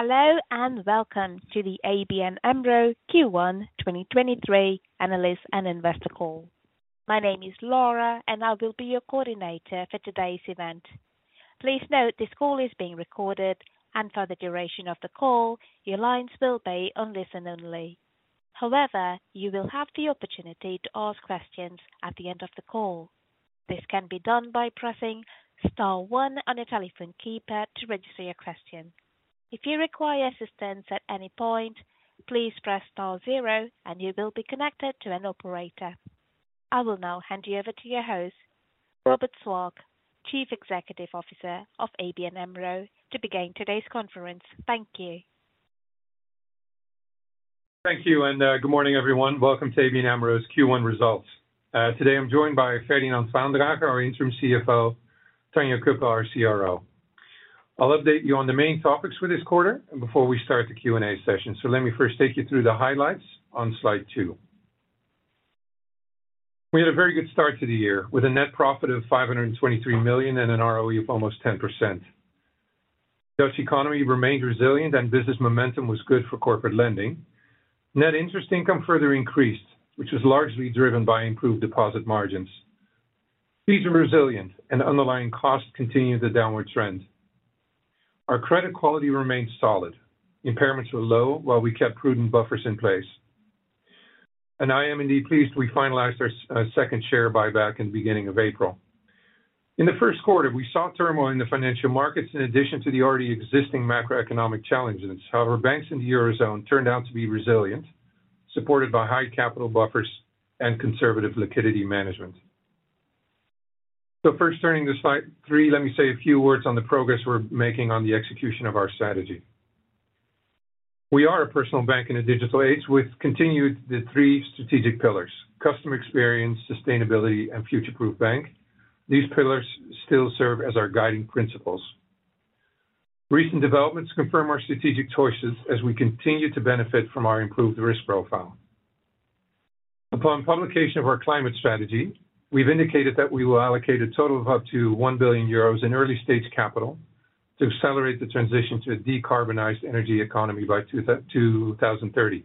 Hello, welcome to the ABN AMRO Q1 2023 analyst and investor call. My name is Laura, and I will be your coordinator for today's event. Please note this call is being recorded, and for the duration of the call, your lines will be on listen only. However, you will have the opportunity to ask questions at the end of the call. This can be done by pressing star one on your telephone keypad to register your question. If you require assistance at any point, please press star zero and you will be connected to an operator. I will now hand you over to your host, Robert Swaak, Chief Executive Officer of ABN AMRO, to begin today's conference. Thank you. Thank you, and good morning, everyone. Welcome to ABN AMRO's Q1 results. Today I'm joined by Ferdinand Vaandrager, our interim CFO, Tanja Cuppen, our CRO. I'll update you on the main topics for this quarter and before we start the Q&A session. Let me first take you through the highlights on slide two. We had a very good start to the year with a net profit of 523 million and an ROE of almost 10%. Dutch economy remained resilient and business momentum was good for corporate lending. Net interest income further increased, which was largely driven by improved deposit margins. Fees are resilient and underlying costs continue the downward trend. Our credit quality remains solid. Impairments were low while we kept prudent buffers in place. I am indeed pleased we finalized our second share buyback in the beginning of April. In the first quarter, we saw turmoil in the financial markets in addition to the already existing macroeconomic challenges. However, banks in the Eurozone turned out to be resilient, supported by high capital buffers and conservative liquidity management. First turning to slide three, let me say a few words on the progress we're making on the execution of our strategy. We are a personal bank in a digital age with continued the three strategic pillars: customer experience, sustainability, and future-proof bank. These pillars still serve as our guiding principles. Recent developments confirm our strategic choices as we continue to benefit from our improved risk profile. Upon publication of our climate strategy, we've indicated that we will allocate a total of up to 1 billion euros in early-stage capital to accelerate the transition to a decarbonized energy economy by 2030.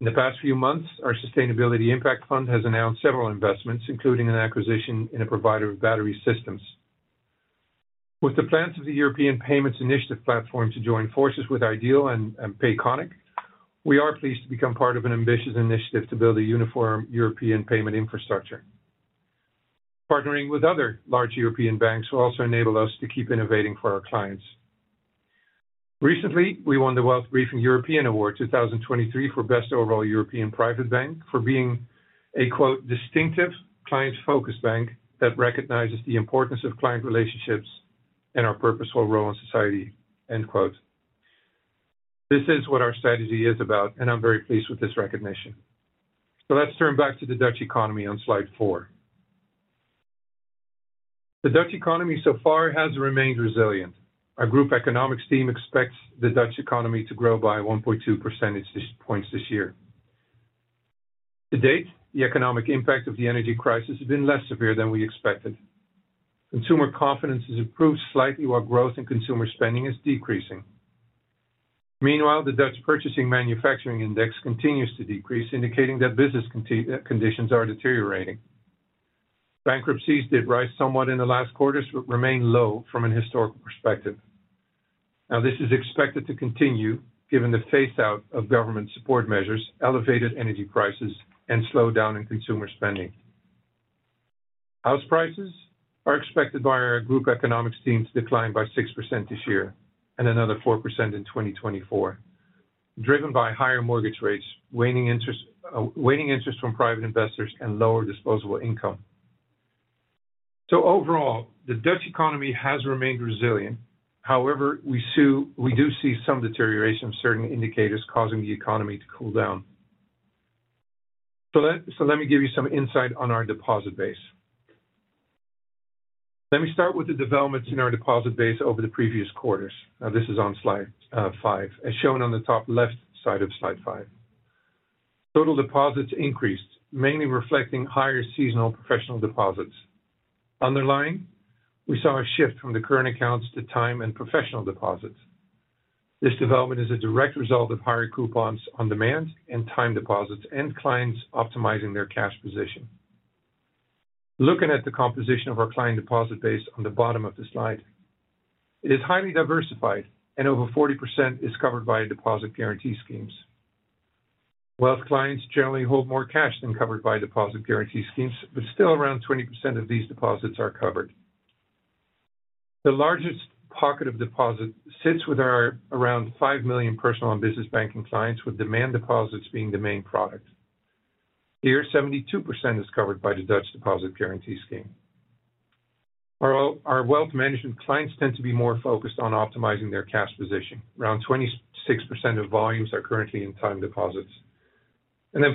In the past few months, our Sustainable Impact Fund has announced several investments, including an acquisition in a provider of battery systems. With the plans of the European Payments Initiative platform to join forces with iDEAL and Payconiq, we are pleased to become part of an ambitious initiative to build a uniform European payment infrastructure. Partnering with other large European banks will also enable us to keep innovating for our clients. Recently, we won the WealthBriefing European Award 2023 for best overall European private bank for being a, quote, "distinctive client-focused bank that recognizes the importance of client relationships and our purposeful role in society," end quote. This is what our strategy is about, and I'm very pleased with this recognition. Let's turn back to the Dutch economy on slide four. The Dutch economy so far has remained resilient. Our group economics team expects the Dutch economy to grow by 1.2 percentage points this year. To date, the economic impact of the energy crisis has been less severe than we expected. Consumer confidence has improved slightly, while growth in consumer spending is decreasing. Meanwhile, the Dutch Purchasing Manufacturing Index continues to decrease, indicating that business conditions are deteriorating. Bankruptcies did rise somewhat in the last quarters, but remain low from an historical perspective. This is expected to continue given the phase out of government support measures, elevated energy prices, and slowdown in consumer spending. House prices are expected by our group economics teams to decline by 6% this year and another 4% in 2024, driven by higher mortgage rates, waning interest, waning interest from private investors and lower disposable income. Overall, the Dutch economy has remained resilient. However, we do see some deterioration of certain indicators causing the economy to cool down. Let me give you some insight on our deposit base. Let me start with the developments in our deposit base over the previous quarters. This is on slide five. As shown on the top left side of slide five, total deposits increased, mainly reflecting higher seasonal professional deposits. Underlying, we saw a shift from the current accounts to time and professional deposits. This development is a direct result of higher coupons on demand and time deposits and clients optimizing their cash position. Looking at the composition of our client deposit base on the bottom of the slide, it is highly diversified and over 40% is covered by deposit guarantee schemes. Wealth clients generally hold more cash than covered by deposit guarantee schemes, still around 20% of these deposits are covered. The largest pocket of deposits sits with our around 5 million personal and business banking clients, with demand deposits being the main product. Here, 72% is covered by the Dutch deposit guarantee scheme. Our wealth management clients tend to be more focused on optimizing their cash position. Around 26% of volumes are currently in time deposits.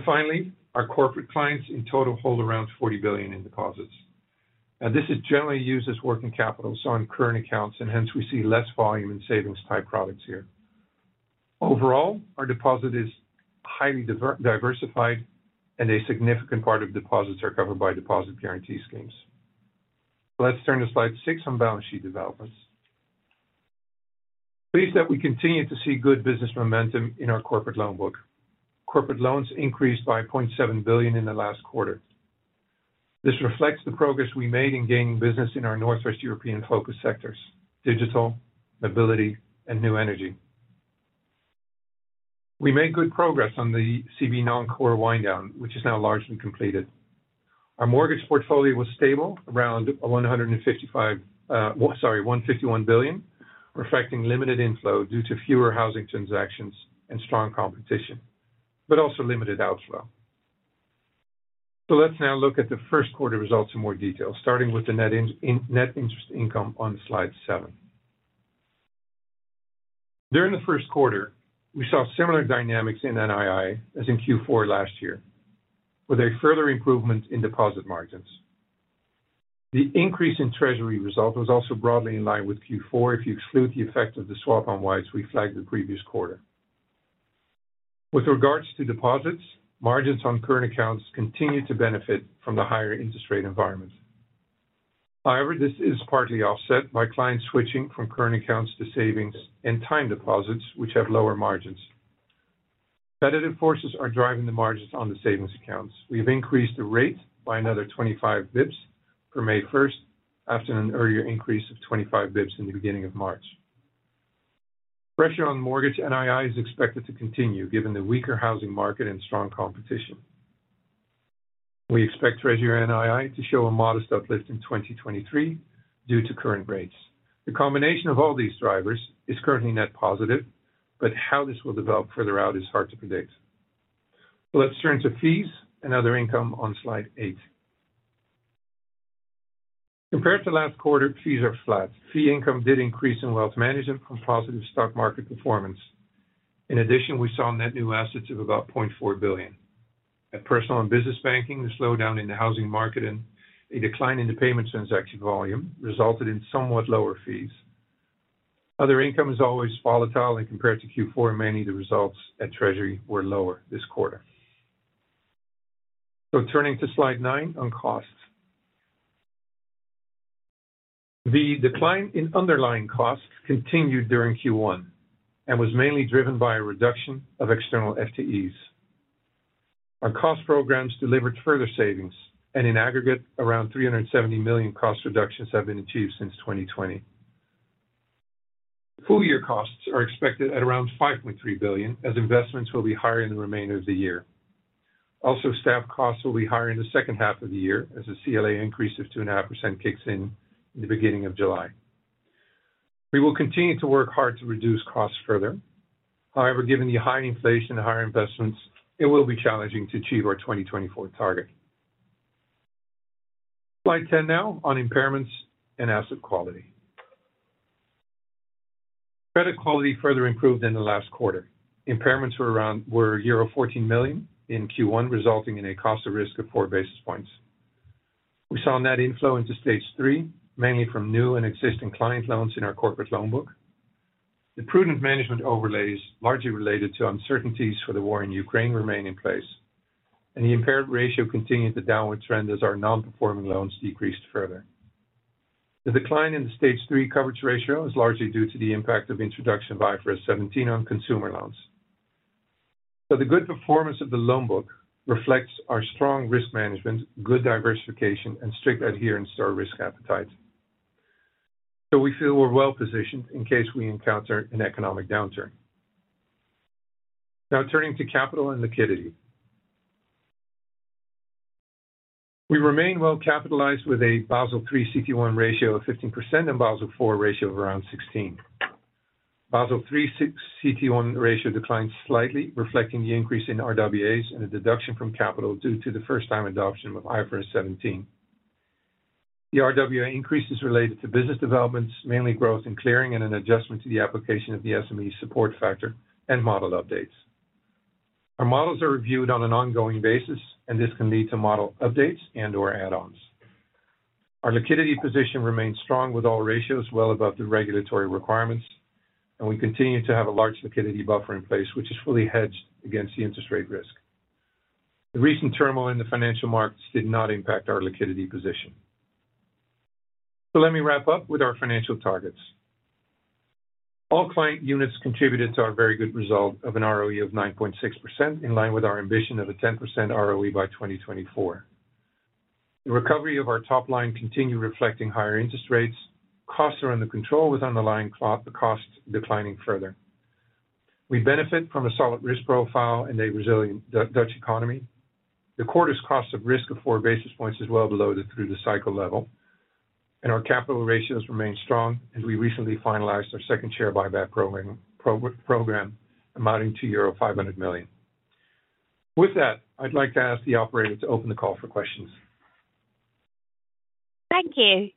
Finally, our corporate clients in total hold around 40 billion in deposits. This is generally used as working capital, so on current accounts, hence we see less volume in savings-type products here. Overall, our deposit is highly diversified and a significant part of deposits are covered by deposit guarantee schemes. Let's turn to slide six on balance sheet developments. Pleased that we continue to see good business momentum in our corporate loan book. Corporate loans increased by 0.7 billion in the last quarter. This reflects the progress we made in gaining business in our Northwest European focus sectors: digital, mobility, and new energy. We made good progress on the CB non-core wind down, which is now largely completed. Our mortgage portfolio was stable around 151 billion, reflecting limited inflow due to fewer housing transactions and strong competition, but also limited outflow. Let's now look at the first quarter results in more detail, starting with the net interest income on slide seven. During the first quarter, we saw similar dynamics in NII as in Q4 last year, with a further improvement in deposit margins. The increase in treasury result was also broadly in line with Q4 if you exclude the effect of the swap on wides we flagged the previous quarter. With regards to deposits, margins on current accounts continue to benefit from the higher interest rate environment. However, this is partly offset by clients switching from current accounts to savings and time deposits, which have lower margins. Competitive forces are driving the margins on the savings accounts. We have increased the rate by another 25 basis points for May first after an earlier increase of 25 basis points in the beginning of March. Pressure on mortgage NII is expected to continue given the weaker housing market and strong competition. We expect treasury NII to show a modest uplift in 2023 due to current rates. The combination of all these drivers is currently net positive, how this will develop further out is hard to predict. Let's turn to fees and other income on slide eight. Compared to last quarter, fees are flat. Fee income did increase in wealth management from positive stock market performance. In addition, we saw net new assets of about 0.4 billion.eight. At personal and business banking, the slowdown in the housing market and a decline in the payment transaction volume resulted in somewhat lower fees. Other income is always volatile, compared to Q4, mainly the results at treasury were lower this quarter. Turning to slide nine on costs. The decline in underlying costs continued during Q1 and was mainly driven by a reduction of external FTEs. Our cost programs delivered further savings. In aggregate, around 370 million cost reductions have been achieved since 2020. Full year costs are expected at around 5.3 billion as investments will be higher in the remainder of the year. Staff costs will be higher in the second half of the year as the CLA increase of 2.5% kicks in in the beginning of July. We will continue to work hard to reduce costs further. Given the high inflation and higher investments, it will be challenging to achieve our 2024 target. Slide 10 now on impairments and asset quality. Credit quality further improved in the last quarter. Impairments were euro 14 million in Q1, resulting in a cost of risk of 4 basis points. We saw net inflow into Stage three, mainly from new and existing client loans in our corporate loan book. The prudent management overlays, largely related to uncertainties for the war in Ukraine, remain in place, and the impaired ratio continued the downward trend as our non-performing loans decreased further. The decline in the Stage three coverage ratio is largely due to the impact of introduction of IFRS 17 on consumer loans. The good performance of the loan book reflects our strong risk management, good diversification, and strict adherence to our risk appetite. We feel we're well-positioned in case we encounter an economic downturn. Now turning to capital and liquidity. We remain well-capitalized with a Basel III CT1 ratio of 15% and Basel IV ratio of around 16%. Basel three six CT1 ratio declined slightly, reflecting the increase in RWAs and a deduction from capital due to the first time adoption of IFRS 17. The RWA increase is related to business developments, mainly growth in clearing and an adjustment to the application of the SME supporting factor and model updates. Our models are reviewed on an ongoing basis. This can lead to model updates and/or add-ons. Our liquidity position remains strong with all ratios well above the regulatory requirements, and we continue to have a large liquidity buffer in place, which is fully hedged against the interest rate risk. The recent turmoil in the financial markets did not impact our liquidity position. Let me wrap up with our financial targets. All client units contributed to our very good result of an ROE of 9.6%, in line with our ambition of a 10% ROE by 2024. The recovery of our top line continued reflecting higher interest rates. Costs are under control, with underlying costs declining further. We benefit from a solid risk profile and a resilient Dutch economy. The quarter's cost of risk of four basis points is well below the through-the-cycle level, and our capital ratios remain strong as we recently finalized our second share buyback program amounting to euro 500 million. With that, I'd like to ask the operator to open the call for questions. Thank you.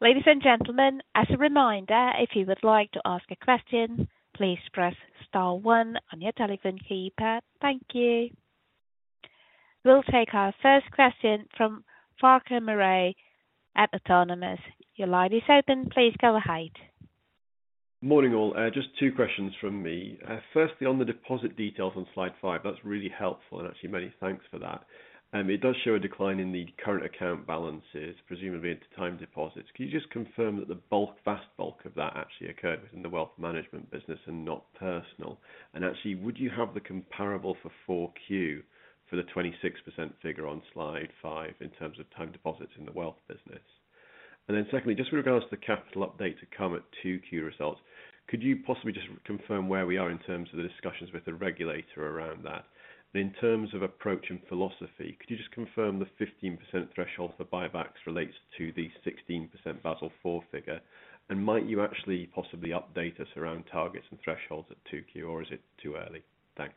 Ladies and gentlemen, as a reminder, if you would like to ask a question, please press star one on your telephone keypad. Thank you. We'll take our first question from Farquhar Murray at Autonomous. Your line is open. Please go ahead. Morning all. Just two questions from me. Firstly, on the deposit details on slide five, that's really helpful. Actually, many thanks for that. It does show a decline in the current account balances, presumably into time deposits. Can you just confirm that the vast bulk of that actually occurred within the wealth management business and not personal? Actually, would you have the comparable for 4Q for the 26% figure on slidem five in terms of time deposits in the wealth business? Secondly, just with regards to the capital update to come at 2Q results, could you possibly just confirm where we are in terms of the discussions with the regulator around that? In terms of approach and philosophy, could you just confirm the 15% threshold for buybacks relates to the 16% Basel IV figure? Might you actually possibly update us around targets and thresholds at 2Q, or is it too early? Thanks.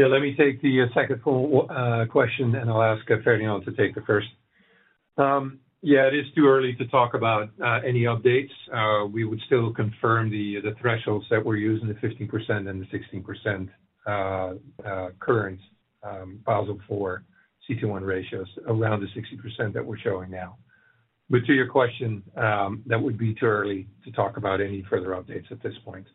Yeah. Let me take the second one question. I'll ask Freddy now to take the first. Yeah, it is too early to talk about any updates. We would still confirm the thresholds that we're using, the 15% and the 16% current Basel IV CT1 ratios around the 60% that we're showing now. To your question, that would be too early to talk about any further updates at this point.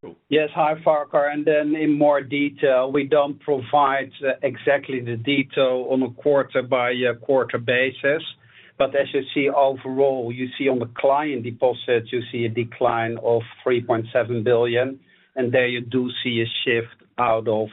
Cool. Yes. Hi, Farquhar. In more detail, we don't provide exactly the detail on a quarter-by-quarter basis. As you see overall, you see on the client deposits, you see a decline of 3.7 billion. There you do see a shift out of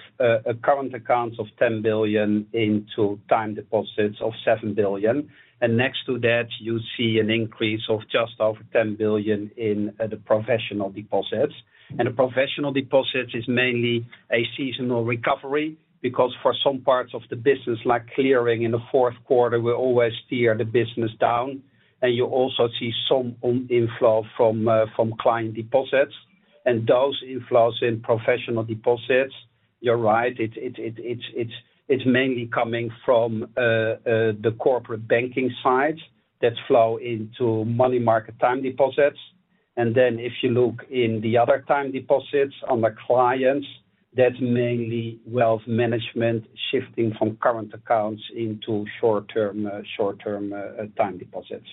current accounts of 10 billion into time deposits of 7 billion. Next to that, you see an increase of just over 10 billion in the professional deposits. The professional deposits is mainly a seasonal recovery because for some parts of the business, like clearing in the fourth quarter, we always steer the business down. You also see some un-inflow from client deposits. Those inflows in professional deposits, you're right, it's mainly coming from the Corporate Banking side that flow into money market time deposits. If you look in the other time deposits on the clients, that's mainly wealth management shifting from current accounts into short-term time deposits.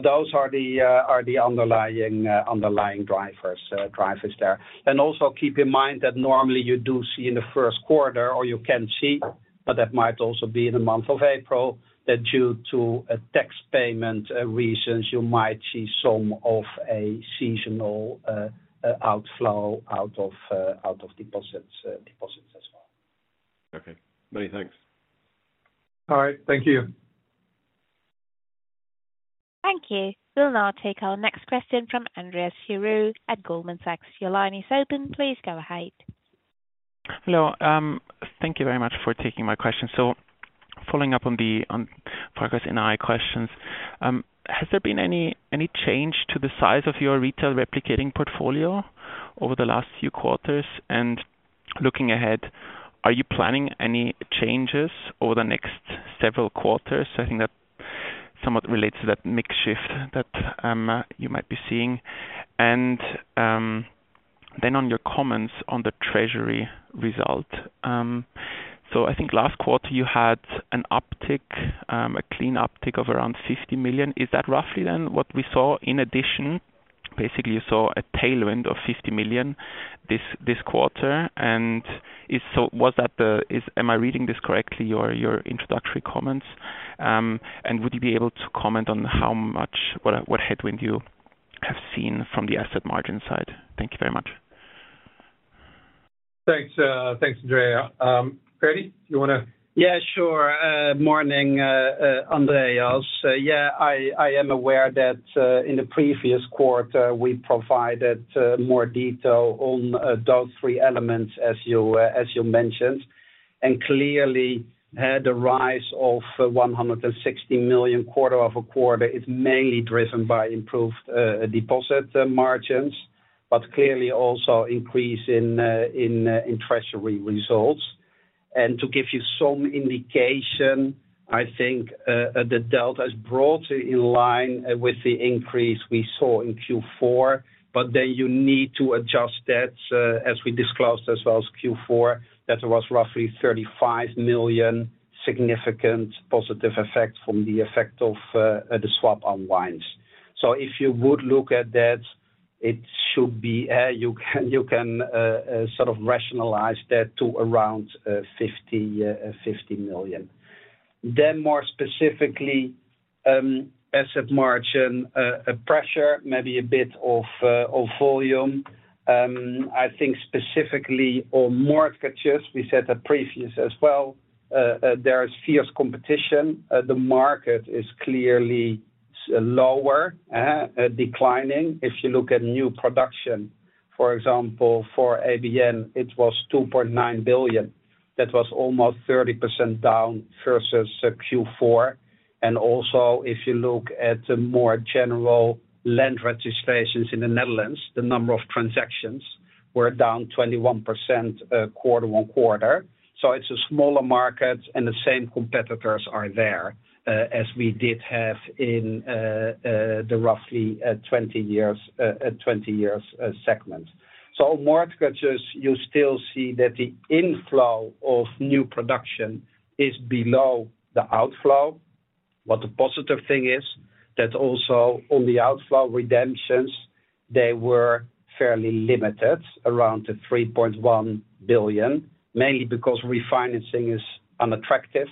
Those are the underlying drivers there. Also keep in mind that normally you do see in the first quarter or you can see, but that might also be in the month of April, that due to a tax payment reasons, you might see some of a seasonal outflow out of deposits as well. Okay. Many thanks. All right. Thank you. Thank you. We'll now take our next question from Chris Hallam at Goldman Sachs. Your line is open. Please go ahead. Hello. Thank you very much for taking my question. Following up on the Farquhar's NI questions, has there been any change to the size of your retail replicating portfolio over the last few quarters? Looking ahead, are you planning any changes over the next several quarters? I think that somewhat relates to that mix shift that you might be seeing. On your comments on the treasury result, I think last quarter you had an uptick, a clean uptick of around 50 million. Is that roughly then what we saw in addition? Basically, you saw a tailwind of 50 million this quarter. Am I reading this correctly, your introductory comments? Would you be able to comment on how much, what headwind you have seen from the asset margin side? Thank you very much. Thanks. Thanks, Andrea. Freddy. Yeah, sure. morning, Chris. Yeah, I am aware that in the previous quarter, we provided more detail on those three elements as you mentioned. Clearly, the rise of 160 million quarter-over-quarter is mainly driven by improved deposit margins, but clearly also increase in treasury results. To give you some indication, I think, the delta is brought in line with the increase we saw in Q4. You need to adjust that as we disclosed as well as Q4, that was roughly 35 million significant positive effect from the effect of the swap unwinds. If you would look at that, it should be, you can sort of rationalize that to around 50 million. More specifically, asset margin pressure, maybe a bit of volume. I think specifically on mortgages, we said the previous as well, there is fierce competition. The market is clearly lower, declining. If you look at new production, for example, for ABN, it was 2.9 billion. That was almost 30% down versus Q4. Also, if you look at the more general land registrations in the Netherlands, the number of transactions were down 21% quarter-on-quarter. It's a smaller market, and the same competitors are there, as we did have in the roughly 20 years segment. On mortgages, you still see that the inflow of new production is below the outflow. What the positive thing is that also on the outflow redemptions, they were fairly limited around 3.1 billion, mainly because refinancing is unattractive,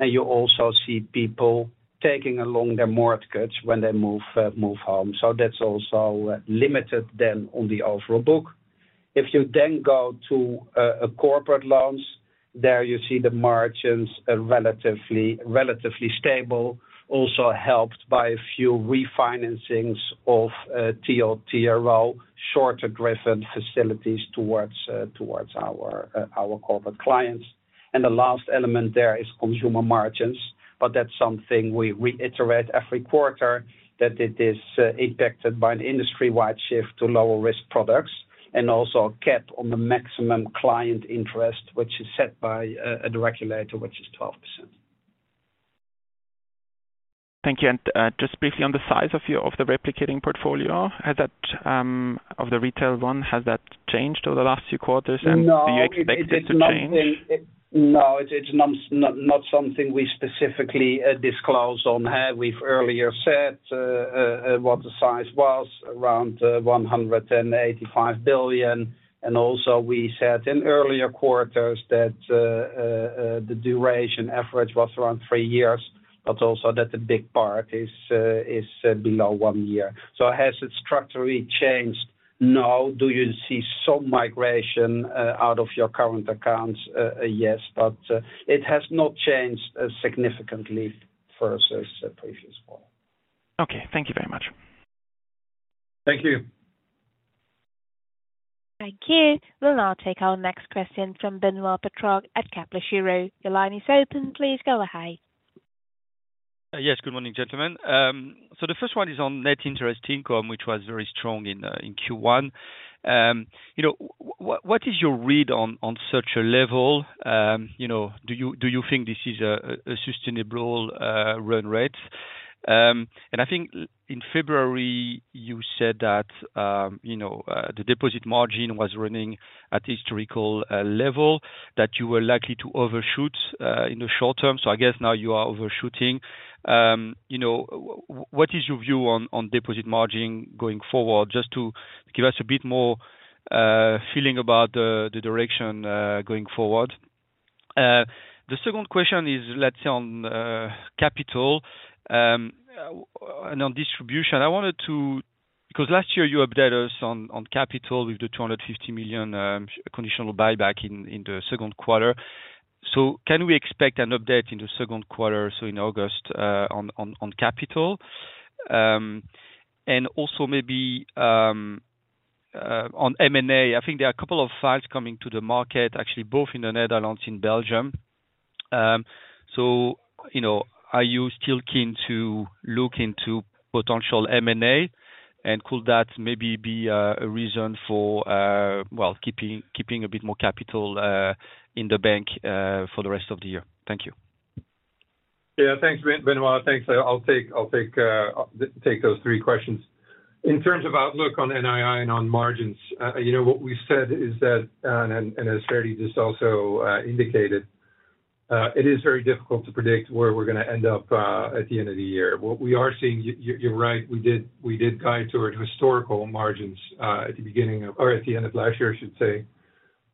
and you also see people taking along their mortgage when they move home. That's also limited then on the overall book. If you go to corporate loans, there you see the margins are relatively stable, also helped by a few refinancings of TLTRO, shorter-driven facilities towards our corporate clients. The last element there is consumer margins, but that's something we reiterate every quarter that it is impacted by an industry-wide shift to lower-risk products and also a cap on the maximum client interest, which is set by the regulator, which is 12%. Thank you. Just briefly on the size of the replicating portfolio, has that, of the retail one, has that changed over the last few quarters? No. Do you expect it to change? No, it's not something we specifically disclose on. We've earlier said what the size was, around 185 billion. Also we said in earlier quarters that the duration average was around three years, but also that the big part is below one year. Has it structurally changed? No. Do you see some migration out of your current accounts? Yes, but it has not changed significantly versus the previous one. Okay. Thank you very much. Thank you. Thank you. We'll now take our next question from Benoît Pétrarque at Kepler Cheuvreux. Your line is open. Please go ahead. Yes, good morning, gentlemen. The first one is on net interest income, which was very strong in Q1. You know, what is your read on such a level? You know, do you think this is a sustainable run rate? I think in February, you said that, you know, the deposit margin was running at historical level, that you were likely to overshoot in the short term. I guess now you are overshooting. You know, what is your view on deposit margin going forward, just to give us a bit more feeling about the direction going forward? The second question is, let's say on capital and on distribution. I wanted to... 'Cause last year you updated us on capital with the 250 million conditional buyback in the second quarter. Can we expect an update in the second quarter, so in August, on capital? Also maybe on M&A, I think there are a couple of files coming to the market, actually, both in the Netherlands and Belgium. You know, are you still keen to look into potential M&A? Could that maybe be a reason for, well, keeping a bit more capital in the bank for the rest of the year? Thank you. Yeah, thanks, Benoit. Thanks. I'll take those three questions. In terms of outlook on NII and on margins, you know what we said is that, as Ferdi just also indicated, it is very difficult to predict where we're gonna end up at the end of the year. What we are seeing, you're right, we did guide toward historical margins, at the beginning of or at the end of last year, I should say.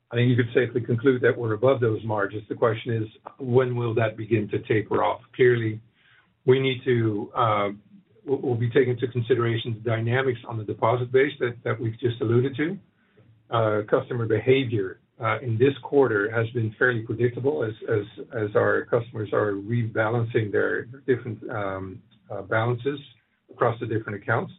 I think you could safely conclude that we're above those margins. The question is, when will that begin to taper off? Clearly, we need to, we'll be taking into consideration the dynamics on the deposit base that we've just alluded to. Customer behavior in this quarter has been fairly predictable as our customers are rebalancing their different balances across the different accounts.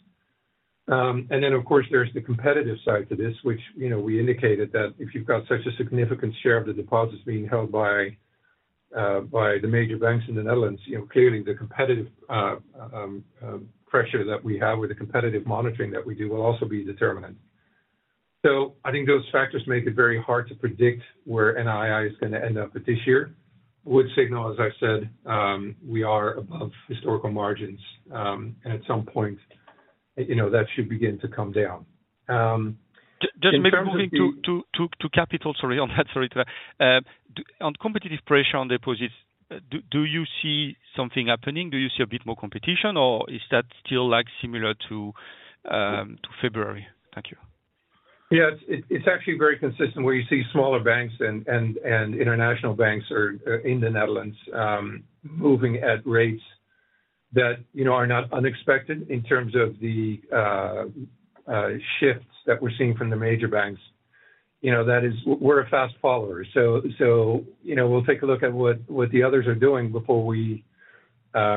Then of course, there's the competitive side to this, which, you know, we indicated that if you've got such a significant share of the deposits being held by the major banks in the Netherlands, you know, clearly the competitive pressure that we have or the competitive monitoring that we do will also be determinant. I think those factors make it very hard to predict where NII is gonna end up this year, which signal, as I said, we are above historical margins. At some point, you know, that should begin to come down. In terms of Just maybe moving to capital. Sorry on that. Sorry. On competitive pressure on deposits, do you see something happening? Do you see a bit more competition, or is that still like similar to February? Thank you. Yeah, it's actually very consistent where you see smaller banks and international banks are in the Netherlands, moving at rates that, you know, are not unexpected in terms of the shifts that we're seeing from the major banks. You know, that is. We're a fast follower. You know, we'll take a look at what the others are doing before we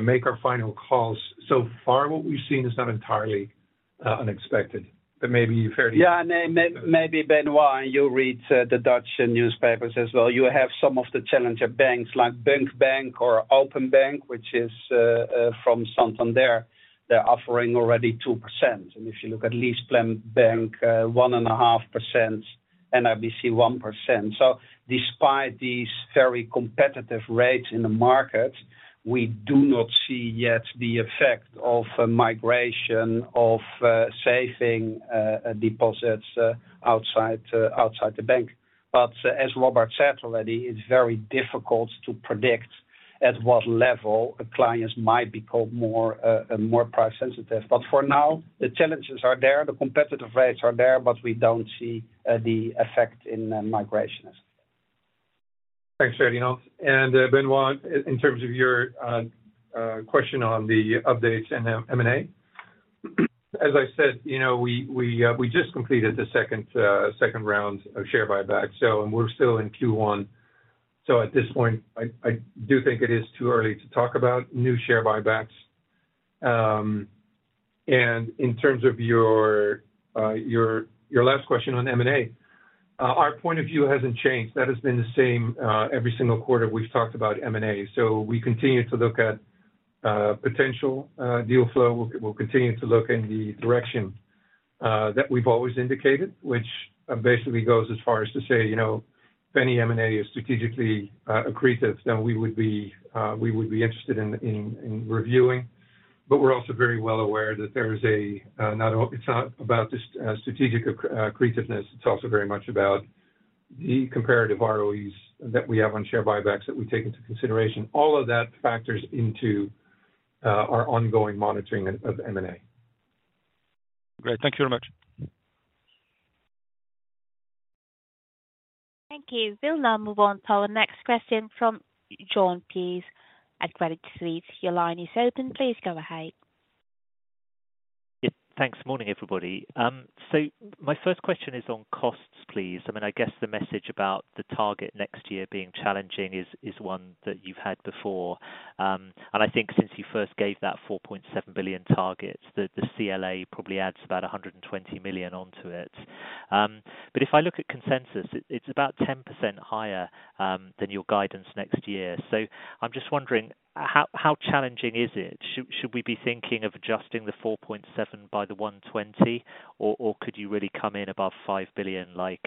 make our final calls. So far what we've seen is not entirely unexpected, but maybe Ferdie. Yeah. Maybe Benoît, you read the Dutch newspapers as well. You have some of the challenger banks like bunq or Openbank, which is from Santander. They're offering already 2%. If you look at LeasePlan Bank, 1.5%, and NIBC 1%. Despite these very competitive rates in the market, we do not see yet the effect of migration, of saving deposits, outside the bank. As Robert said already, it's very difficult to predict at what level the clients might become more, more price sensitive. For now, the challenges are there, the competitive rates are there, but we don't see the effect in the migration. Thanks, Ferdinand. Benoît, in terms of your question on the updates and then M&A. As I said, you know, we just completed the second round of share buyback, we're still in Q1. At this point, I do think it is too early to talk about new share buybacks. In terms of your last question on M&A, our point of view hasn't changed. That has been the same every single quarter we've talked about M&A. We continue to look at potential deal flow. We'll continue to look in the direction that we've always indicated, which basically goes as far as to say, you know, if any M&A is strategically accretive, then we would be interested in reviewing. We're also very well aware that there is a, it's not about the strategic accretiveness, it's also very much about the comparative ROEs that we have on share buybacks that we take into consideration. That factors into our ongoing monitoring of M&A. Great. Thank you very much. Thank you. We'll now move on to our next question from Jon Peace at Credit Suisse. Your line is open. Please go ahead. Yeah, thanks. Morning, everybody. My first question is on costs, please. I mean, I guess the message about the target next year being challenging is one that you've had before. I think since you first gave that 4.7 billion target, the CLA probably adds about 120 million onto it. If I look at consensus, it's about 10% higher than your guidance next year. I'm just wondering how challenging is it? Should we be thinking of adjusting the 4.7 by the 120, or could you really come in above 5 billion like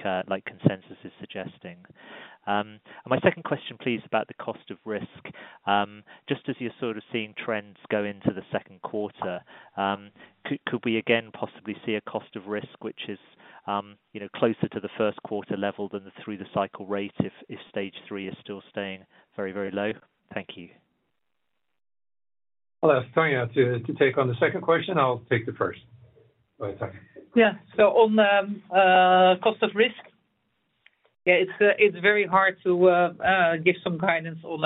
consensus is suggesting? My second question, please, about the cost of risk. Just as you're sort of seeing trends go into the second quarter, could we again possibly see a cost of risk which is, you know, closer to the first quarter level than the through-the-cycle rate if Stage 3 is still staying very, very low? Thank you. I'll ask Tanja to take on the second question. I'll take the first. Go ahead, Tanja. Yeah. On cost of risk, it's very hard to give some guidance on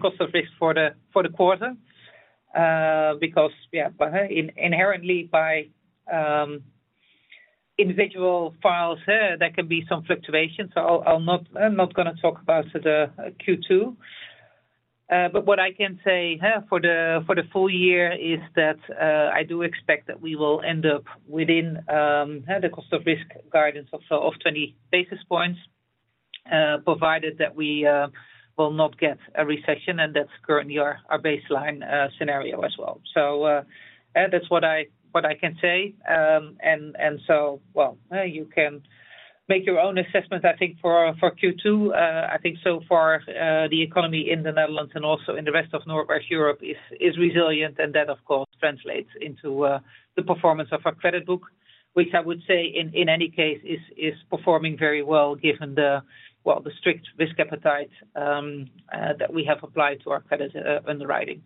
cost of risk for the quarter because inherently by individual files, there can be some fluctuation. I'm not going talk about the Q2. What I can say for the full year is that I do expect that we will end up within the cost of risk guidance of 20 basis points, provided that we will not get a recession, and that's currently our baseline scenario as well. That's what I can say. Well, you can make your own assessment. I think for Q2, I think so far, the economy in the Netherlands and also in the rest of Northwest Europe is resilient. That of course translates into the performance of our credit book, which I would say in any case, is performing very well given the, well, the strict risk appetite that we have applied to our credit underwriting.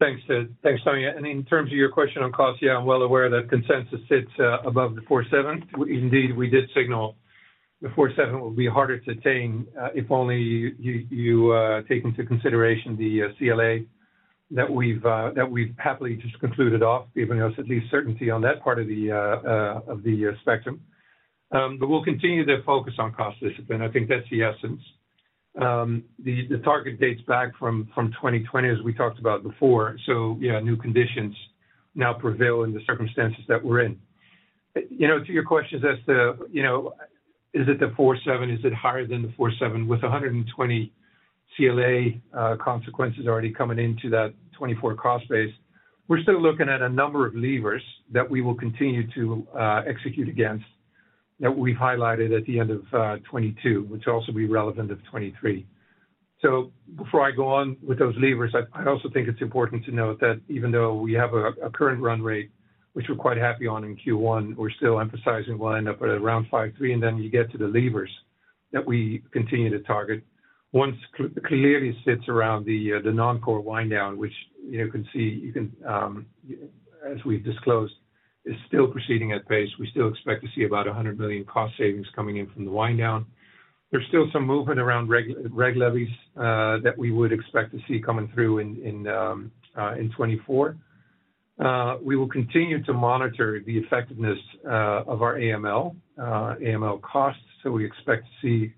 Thanks, Tanja. In terms of your question on costs, yeah, I'm well aware that consensus sits above the 4.7. Indeed, we did signal the 4.7 will be harder to attain if only you take into consideration the CLA that we've happily just concluded of, giving us at least certainty on that part of the spectrum. We'll continue to focus on cost discipline. I think that's the essence. The target dates back from 2020, as we talked about before. Yeah, new conditions now prevail in the circumstances that we're in. You know, to your question as to, you know, is it the 4.7? Is it higher than the 4.7? With 120 CLA consequences already coming into that 2024 cost base, we're still looking at a number of levers that we will continue to execute against that we've highlighted at the end of 2022, which will also be relevant of 2023. Before I go on with those levers, I also think it's important to note that even though we have a current run rate, which we're quite happy on in Q1, we're still emphasizing we'll end up at around five three, and then you get to the levers that we continue to target. One clearly sits around the non-core wind down, which, you know, you can see, as we've disclosed, is still proceeding at pace. We still expect to see about 100 million cost savings coming in from the wind down. There's still some movement around reg levies that we would expect to see coming through in 2024. We will continue to monitor the effectiveness of our AML costs, so we expect to see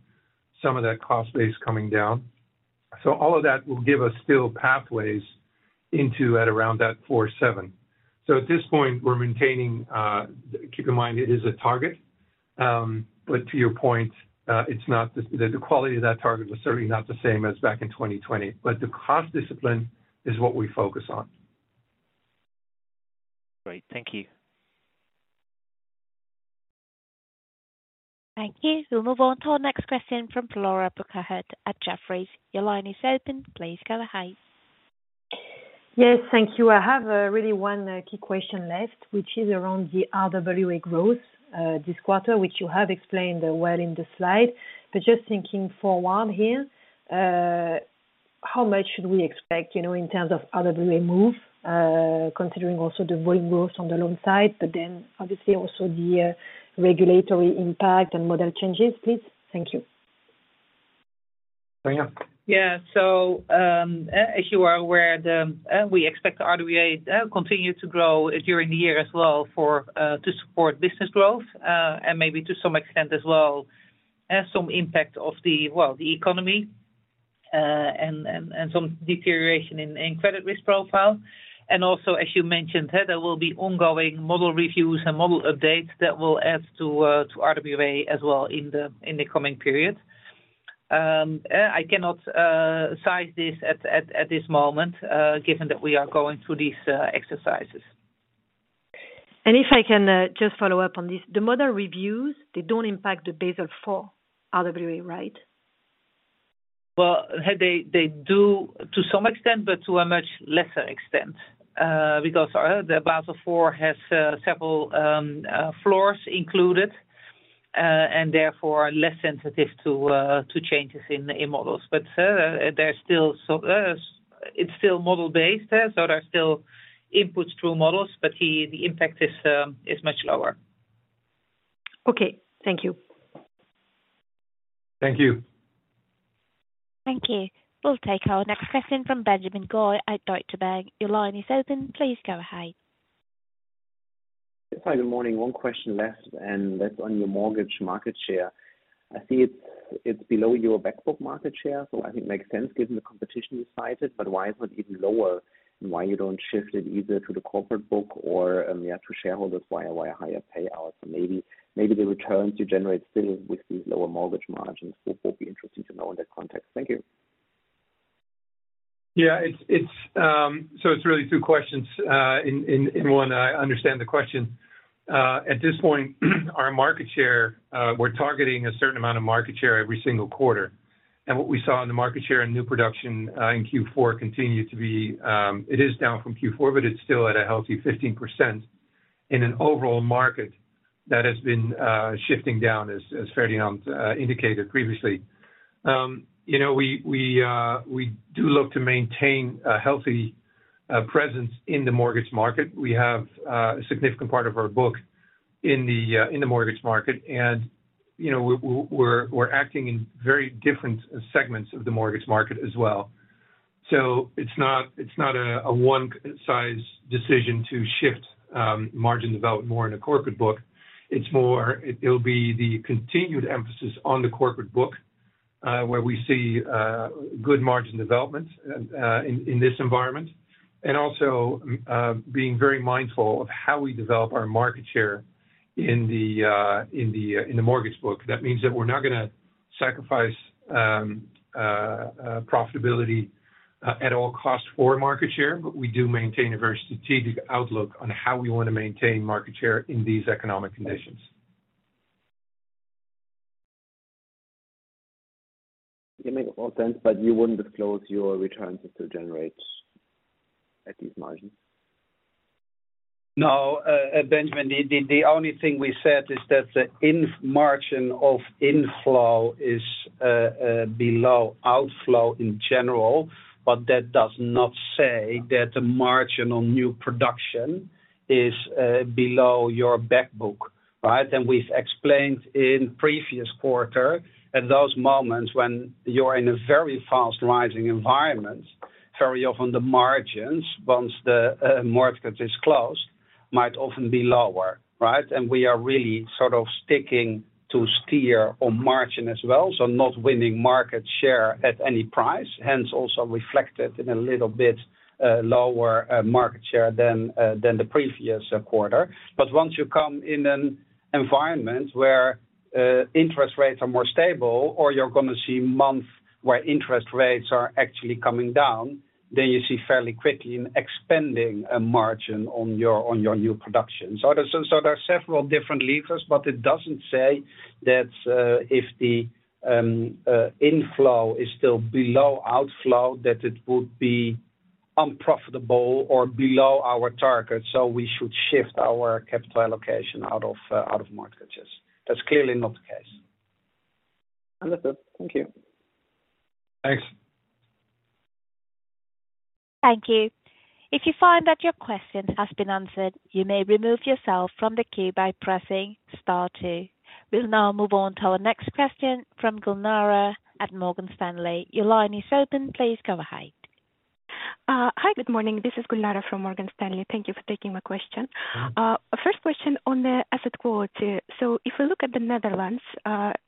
some of that cost base coming down. All of that will give us still pathways into at around that 4.7. At this point, we're maintaining. Keep in mind, it is a target. To your point, the quality of that target was certainly not the same as back in 2020. The cost discipline is what we focus on. Great. Thank you. Thank you. We'll move on to our next question from Flora Bocahut at Jefferies. Your line is open. Please go ahead. Yes, thank you. I have, really one key question left, which is around the RWA growth, this quarter, which you have explained well in the slide. Just thinking forward here, how much should we expect, you know, in terms of RWA move, considering also the volume growth on the loan side, but then obviously also the regulatory impact and model changes, please. Thank you. Tanja. Yeah. As you are aware, we expect RWA to continue to grow during the year as well for to support business growth and maybe to some extent as well as some impact of the, well, the economy and some deterioration in credit risk profile. Also as you mentioned, there will be ongoing model reviews and model updates that will add to RWA as well in the coming period. I cannot size this at this moment given that we are going through these exercises. If I can, just follow up on this. The model reviews, they don't impact the Basel IV RWA, right? They do to some extent, but to a much lesser extent, because the Basel IV has several floors included, and therefore are less sensitive to changes in the models. They're still so, it's still model-based, so there are still inputs through models, but the impact is much lower. Okay. Thank you. Thank you. Thank you. We'll take our next question from Benjamin Goy at Deutsche Bank. Your line is open. Please go ahead. Yes. Hi, good morning. One question left, that's on your mortgage market share. I see it's below your back book market share, I think it makes sense given the competition you cited. Why is it even lower, and why you don't shift it either to the corporate book or, yeah, to shareholders via higher payouts? Maybe the returns you generate still with these lower mortgage margins. It will be interesting to know in that context. Thank you. Yeah. It's really two questions in one. I understand the question. At this point, our market share, we're targeting a certain amount of market share every single quarter. What we saw in the market share in new production in Q4 continued to be, it is down from Q4, but it's still at a healthy 15% in an overall market that has been shifting down, as Ferdinand indicated previously. You know, we do look to maintain a healthy presence in the mortgage market. We have a significant part of our book in the mortgage market and, you know, we're acting in very different segments of the mortgage market as well. It's not a one size decision to shift margin development more in a corporate book. It's more it'll be the continued emphasis on the corporate book where we see good margin development in this environment, and also being very mindful of how we develop our market share in the mortgage book. That means that we're not gonna sacrifice profitability at all costs for market share, but we do maintain a very strategic outlook on how we want to maintain market share in these economic conditions. It makes a lot of sense, but you wouldn't disclose your returns to generate at these margins. No, Benjamin. The only thing we said is that the margin of inflow is below outflow in general. That does not say that the margin on new production is below your back book, right? We've explained in previous quarter, at those moments when you're in a very fast rising environment, very often the margins, once the mortgage is closed, might often be lower, right? We are really sort of sticking to steer on margin as well, so not winning market share at any price. Also reflected in a little bit lower market share than the previous quarter. Once you come in an environment where interest rates are more stable or you're going to see months where interest rates are actually coming down, then you see fairly quickly an expanding margin on your new production. There are several different levers. It doesn't say that if the inflow is still below outflow, that it would be unprofitable or below our target. We should shift our capital allocation out of mortgages. That's clearly not the case. Understood. Thank you. Thanks. Thank you. If you find that your question has been answered, you may remove yourself from the queue by pressing star two. We'll now move on to our next question from Gulnara at Morgan Stanley. Your line is open. Please go ahead. Hi, good morning. This is Gulnara from Morgan Stanley. Thank you for taking my question. First question on the asset quality. If we look at the Netherlands,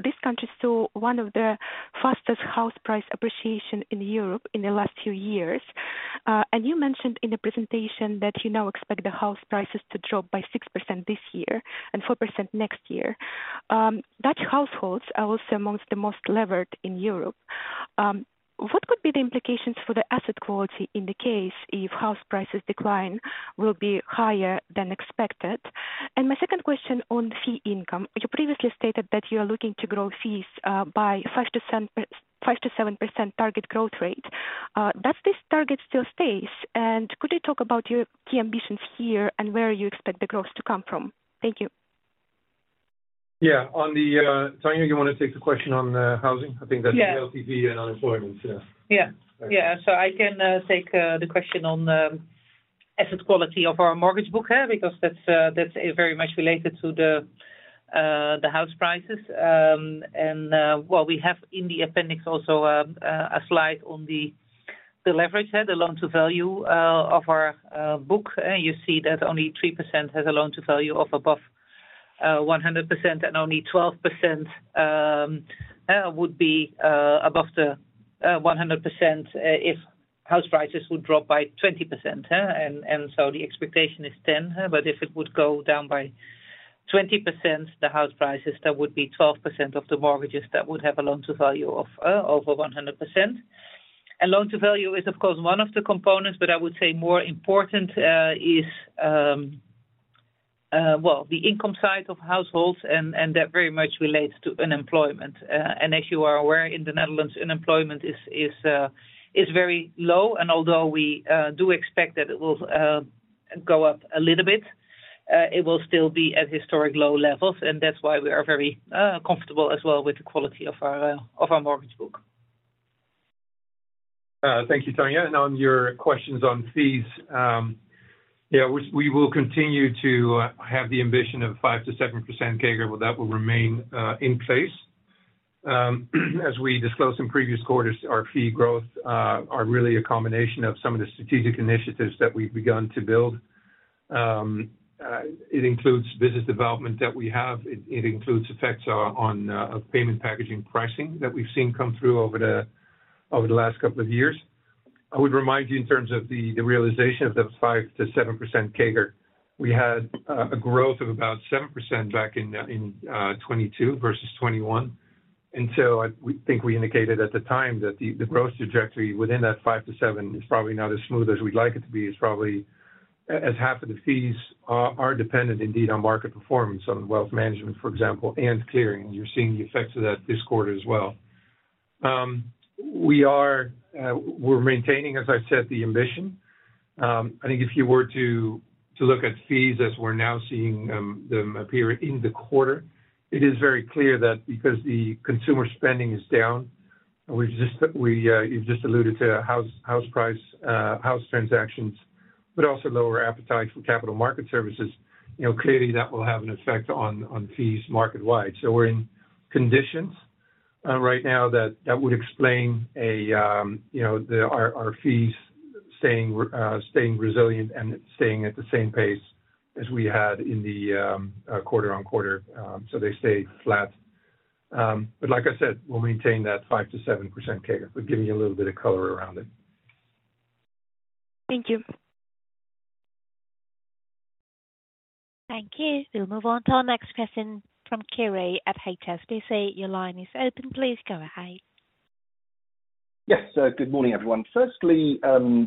this country saw one of the fastest house price appreciation in Europe in the last few years. And you mentioned in the presentation that you now expect the house prices to drop by 6% this year and 4% next year. Dutch households are also amongst the most levered in Europe. What could be the implications for the asset quality in the case if house prices decline will be higher than expected? My second question on fee income. You previously stated that you are looking to grow fees by 5%-7% target growth rate. Does this target still stays? Could you talk about your key ambitions here and where you expect the growth to come from? Thank you. Yeah. On the, Tanja, you want to take the question on the housing? Yeah. I think that's the LTV and unemployment, yeah. Yeah. I can take the question on the asset quality of our mortgage book here, because that's very much related to the house prices. What we have in the appendix also a slide on the leverage, the loan to value of our book. You see that only 3% has a loan to value of above 100%, and only 12% would be above the 100% if house prices would drop by 20%. The expectation is 10, but if it would go down by 20%, the house prices, that would be 12% of the mortgages that would have a loan to value of over 100%. A loan to value is, of course, one of the components, I would say more important, well, the income side of households and that very much relates to unemployment. As you are aware, in the Netherlands, unemployment is very low. Although we do expect that it will go up a little bit, it will still be at historic low levels, and that's why we are very comfortable as well with the quality of our mortgage book. Thank you, Tanja. On your questions on fees, yeah, we will continue to have the ambition of 5%-7% CAGR. That will remain in place. As we disclosed in previous quarters, our fee growth are really a combination of some of the strategic initiatives that we've begun to build. It includes business development that we have. It includes effects on payment packaging pricing that we've seen come through over the last couple of years. I would remind you in terms of the realization of the 5%-7% CAGR, we had a growth of about 7% back in 2022 versus 2021. We think we indicated at the time that the growth trajectory within that 5-7 is probably not as smooth as we'd like it to be. It's probably, as half of the fees are dependent indeed on market performance, on wealth management, for example, and clearing. You're seeing the effects of that this quarter as well. We are maintaining, as I said, the ambition. I think if you were to look at fees as we're now seeing them appear in the quarter, it is very clear that because the consumer spending is down, we've just, you've just alluded to house price, house transactions, but also lower appetite for capital market services. You know, clearly that will have an effect on fees market-wide. We're in conditions right now that would explain a, you know, the our fees staying resilient and staying at the same pace as we had in the quarter-on-quarter, so they stay flat. Like I said, we'll maintain that 5%-7% CAGR. We've given you a little bit of color around it. Thank you. Thank you. We'll move on to our next question from Kiri at HSBC. Your line is open. Please go ahead. Yes. Good morning, everyone. Firstly,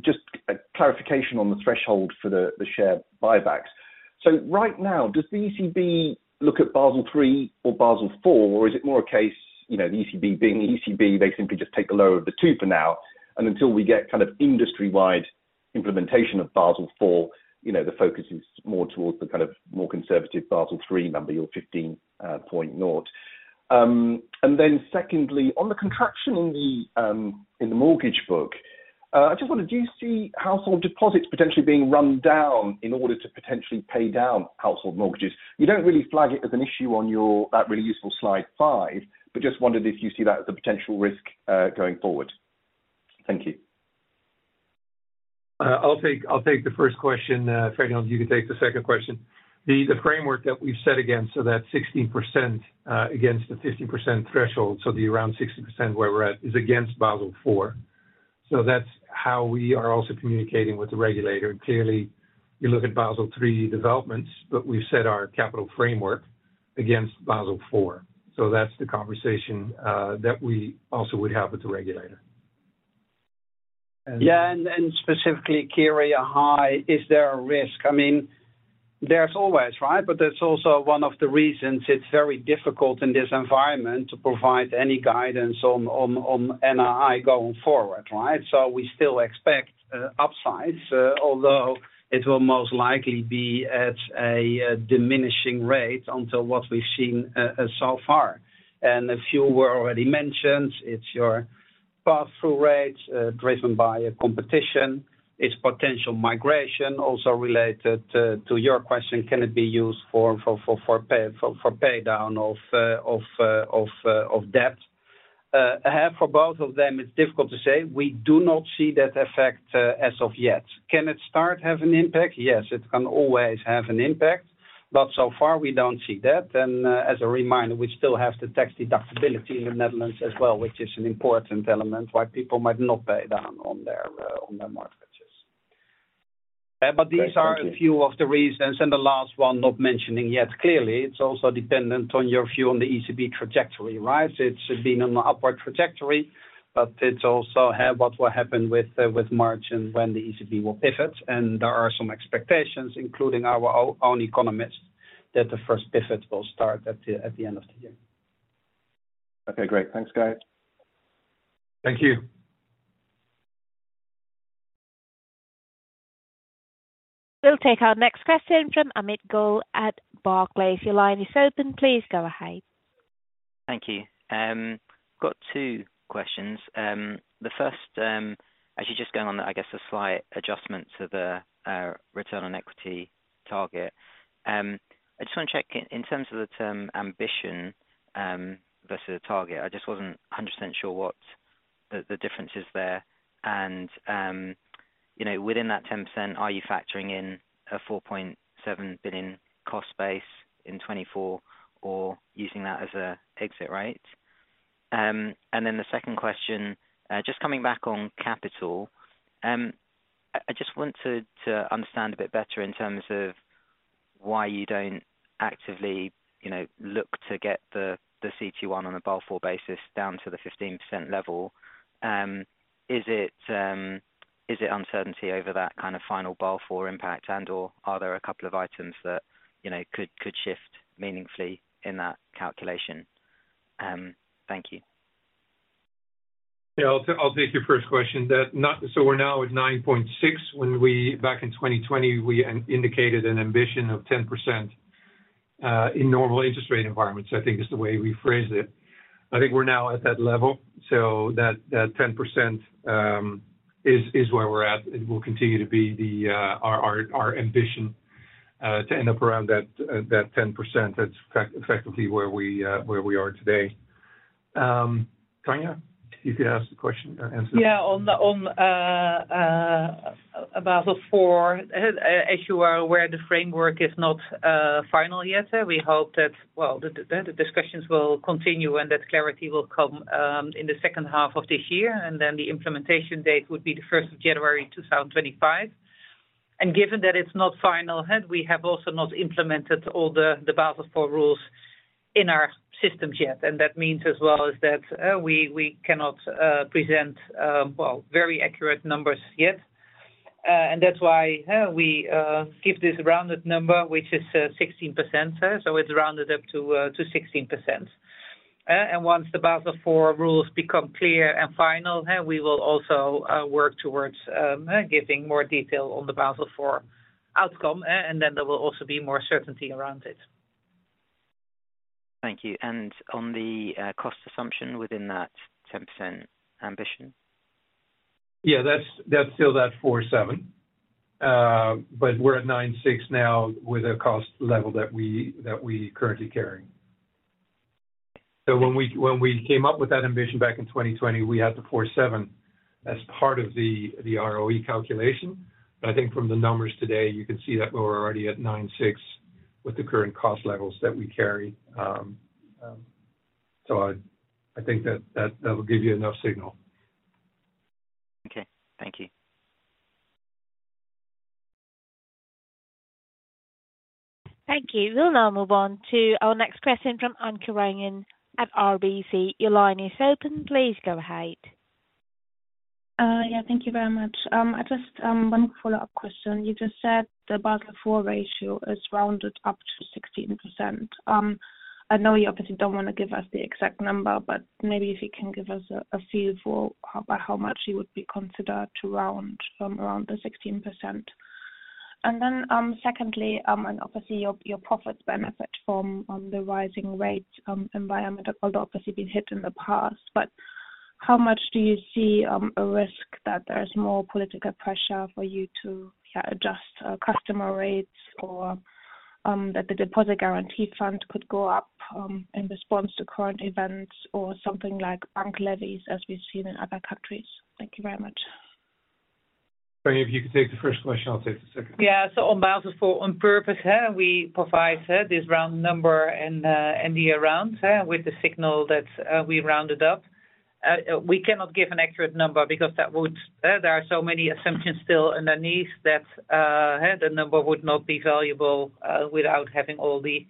just a clarification on the threshold for the share buybacks. Right now, does the ECB look at Basel III or Basel IV? Or is it more a case, you know, the ECB being the ECB, they simply just take the lower of the two for now, and until we get industry-wide implementation of Basel IV, you know, the focus is more towards the kind of more conservative Basel III number, your 15.0. Secondly, on the contraction in the mortgage book, I just wonder, do you see household deposits potentially being run down in order to potentially pay down household mortgages? You don't really flag it as an issue on your really useful slide five, but just wondered if you see that as a potential risk going forward. Thank you. I'll take the first question. Ferdinand, you can take the second question. The framework that we've set against, so that's 16% against the 15% threshold, so the around 16% where we're at is against Basel IV. That's how we are also communicating with the regulator. Clearly, you look at Basel III developments, we've set our capital framework against Basel IV. That's the conversation that we also would have with the regulator. Specifically, Kerry, hi. Is there a risk? I mean, there's always, right? That's also one of the reasons it's very difficult in this environment to provide any guidance on NI going forward, right? We still expect upsides, although it will most likely be at a diminishing rate until what we've seen so far. A few were already mentioned. It's your pass-through rates, driven by a competition. It's potential migration, also related to your question, can it be used for pay down of debt. For both of them, it's difficult to say. We do not see that effect as of yet. Can it start have an impact? Yes, it can always have an impact, but so far we don't see that. As a reminder, we still have the tax deductibility in the Netherlands as well, which is an important element why people might not pay down on their mortgages. Great. Thank you. These are a few of the reasons, and the last one not mentioning yet, clearly, it's also dependent on your view on the ECB trajectory, right? It's been an upward trajectory, but it's also, what will happen with March and when the ECB will pivot. There are some expectations, including our own economist, that the first pivot will start at the end of the year. Okay, great. Thanks, guys. Thank you. We'll take our next question from Amit Goel at Barclays. Your line is open. Please go ahead. Thank you. Got 2 questions. The first, actually just going on, I guess, the slight adjustment to the return on equity target. I just want to check in terms of the term ambition versus target. I just wasn't 100% sure what the difference is there. You know, within that 10%, are you factoring in a 4.7 billion cost base in 2024 or using that as an exit rate? The second question, just coming back on capital, I just want to understand a bit better in terms of why you don't actively, you know, look to get the CT1 on a Basel IV basis down to the 15% level. Is it, is it uncertainty over that kind of final Basel IV impact and/or are there a couple of items that, you know, could shift meaningfully in that calculation? Thank you. I'll take your first question. We're now at 9.6. Back in 2020, we indicated an ambition of 10% in normal interest rate environments, I think is the way we phrased it. I think we're now at that level. That 10% is where we're at. It will continue to be our ambition to end up around that 10%. That's effectively where we are today. Tanja, if you could answer the question or answer. Yeah. On the, on Basel IV, as you are aware, the framework is not final yet. We hope that... Well, the discussions will continue and that clarity will come in the second half of this year, then the implementation date would be the 1st of January 2025. Given that it's not final, we have also not implemented all the Basel IV rules in our systems yet. That means as well is that we cannot present, well, very accurate numbers yet. That's why we give this rounded number, which is 16%. So it's rounded up to 16%. Once the Basel IV rules become clear and final, we will also work towards giving more detail on the Basel IV outcome, and then there will also be more certainty around it. Thank you. On the cost assumption within that 10% ambition. That's still that 4.7%. We're at 9.6% now with the cost level that we currently carry. When we came up with that ambition back in 2020, we had the 4.7% as part of the ROE calculation. I think from the numbers today, you can see that we're already at 9.6% with the current cost levels that we carry. I think that will give you enough signal. Okay. Thank you. Thank you. We'll now move on to our next question from Anke Reingen at RBC. Your line is open. Please go ahead. Yeah, thank you very much. I just one follow-up question. You just said the Basel IV ratio is rounded up to 16%. I know you obviously don't want to give us the exact number, but maybe if you can give us a feel for by how much you would be considered to round from around the 16%. Secondly, and obviously your profits benefit from the rising rates environment, although obviously been hit in the past. How much do you see a risk that there is more political pressure for you to, yeah, adjust customer rates or that the Deposit Guarantee Fund could go up in response to current events or something like bank levies as we've seen in other countries? Thank you very much. Tanja, if you could take the first question, I'll take the second one. On Basel IV, on purpose, we provide this round number and the around with the signal that we rounded up. We cannot give an accurate number because there are so many assumptions still underneath that the number would not be valuable without having all the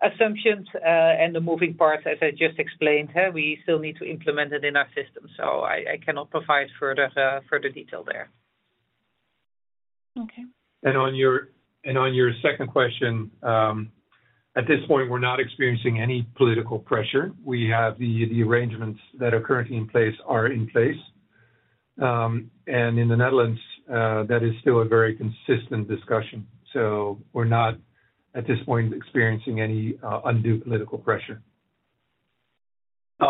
assumptions and the moving parts, as I just explained. We still need to implement it in our system. I cannot provide further detail there. Okay. On your second question, at this point, we're not experiencing any political pressure. We have the arrangements that are currently in place are in place. In the Netherlands, that is still a very consistent discussion. We're not at this point, experiencing any undue political pressure.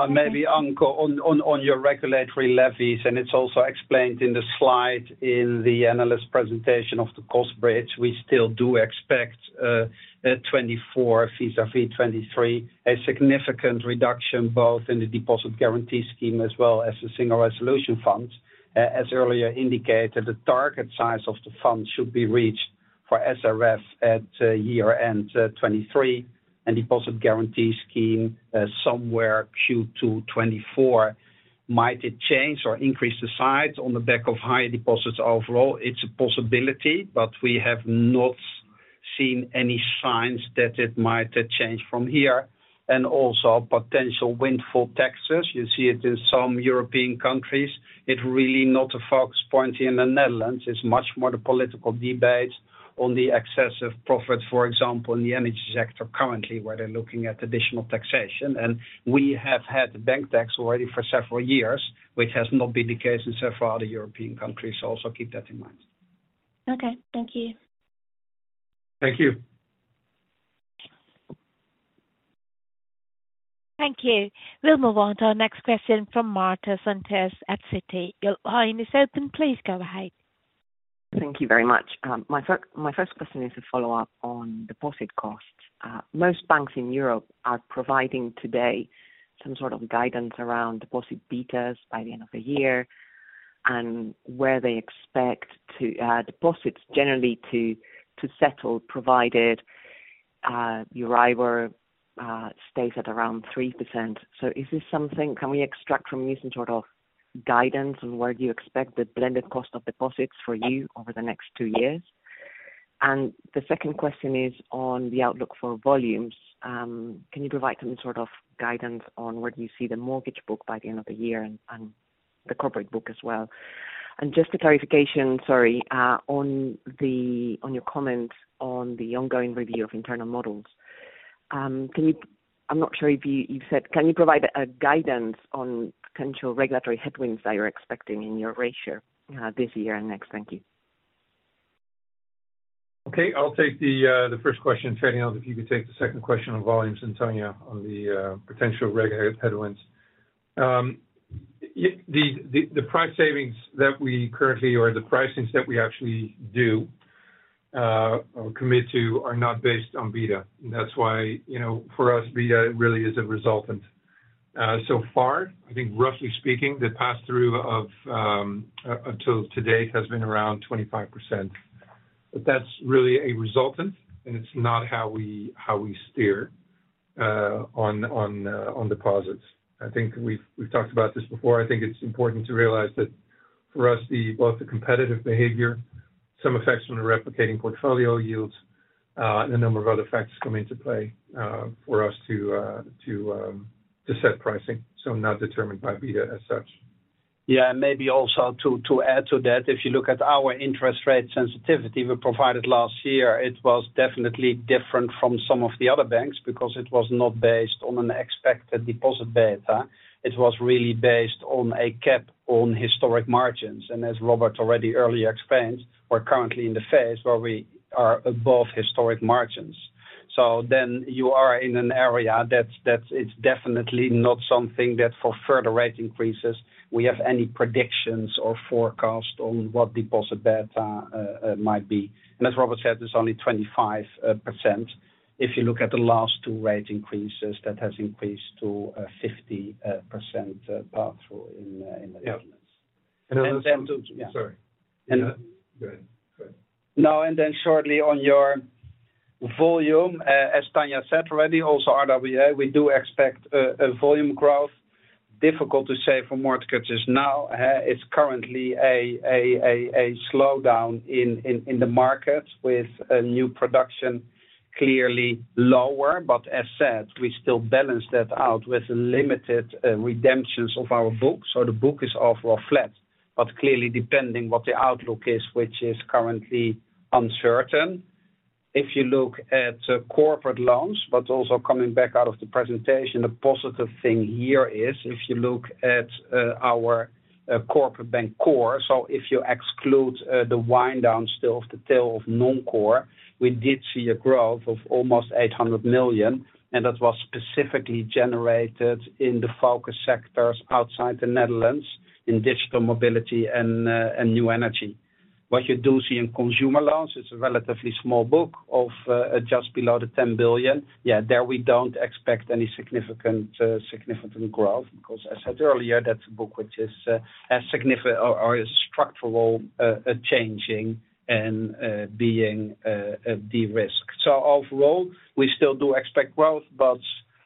Maybe Anke on, on your regulatory levies, and it's also explained in the slide in the analyst presentation of the cost bridge. We still do expect 2024 vis-à-vis 2023, a significant reduction both in the deposit guarantee scheme as well as the Single Resolution Fund. As earlier indicated, the target size of the fund should be reached for SRF at year end 2023, and deposit guarantee scheme somewhere Q2 2024. Might it change or increase the size on the back of higher deposits overall? It's a possibility, but we have not seen any signs that it might change from here. Also potential windfall taxes. You see it in some European countries. It really not a focus point in the Netherlands. It's much more the political debate- On the excessive profits, for example, in the energy sector currently, where they're looking at additional taxation. We have had the bank tax already for several years, which has not been the case in several other European countries. Also keep that in mind. Okay. Thank you. Thank you. Thank you. We'll move on to our next question from Marta Santos at Citi. Your line is open. Please go ahead. Thank you very much. My first question is a follow-up on deposit costs. Most banks in Europe are providing today some sort of guidance around deposit betas by the end of the year and where they expect to deposits generally to settle, provided EURIBOR stays at around 3%. Can we extract from you some sort of guidance on where you expect the blended cost of deposits for you over the next 2 years? The second question is on the outlook for volumes. Can you provide some sort of guidance on where do you see the mortgage book by the end of the year and the corporate book as well? Just a clarification, sorry, on your comments on the ongoing review of internal models. Can you? I'm not sure if you said, can you provide a guidance on potential regulatory headwinds that you're expecting in your ratio this year and next? Thank you. Okay. I'll take the first question. Ferdinand, if you could take the second question on volumes and Tanja on the potential reg headwinds. The price savings that we currently or the pricings that we actually do or commit to are not based on beta. That's why, you know, for us, beta really is a resultant. So far, I think roughly speaking, the pass-through of until today has been around 25%. That's really a resultant, and it's not how we steer on deposits. I think we've talked about this before. I think it's important to realize that for us, the, both the competitive behavior, some effects from the replicating portfolio yields, and a number of other effects come into play, for us to set pricing, so not determined by beta as such. Yeah. Maybe also to add to that, if you look at our interest rate sensitivity we provided last year, it was definitely different from some of the other banks because it was not based on an expected deposit beta. It was really based on a cap on historic margins. As Robert already earlier explained, we're currently in the phase where we are above historic margins. You are in an area that's, it's definitely not something that for further rate increases, we have any predictions or forecast on what deposit beta might be. As Robert said, it's only 25%. If you look at the last two rate increases, that has increased to 50% pass-through in the Netherlands. Yeah. Then. Sorry. And- Go ahead. Go ahead. Shortly on your volume, as Tanja said already, also RWA, we do expect a volume growth. Difficult to say for mortgages now. It's currently a slowdown in the market with new production clearly lower. As said, we still balance that out with limited redemptions of our books. The book is overall flat, but clearly depending what the outlook is, which is currently uncertain. If you look at corporate loans, coming back out of the presentation, the positive thing here is if you look at our Corporate Bank core, if you exclude the wind down still of the tail of non-core, we did see a growth of almost 800 million, that was specifically generated in the focus sectors outside the Netherlands in digital mobility and new energy. What you do see in consumer loans, it's a relatively small book of just below 10 billion. Yeah, there, we don't expect any significant growth because I said earlier, that's a book which is a structural changing and being a de-risk. Overall, we still do expect growth, but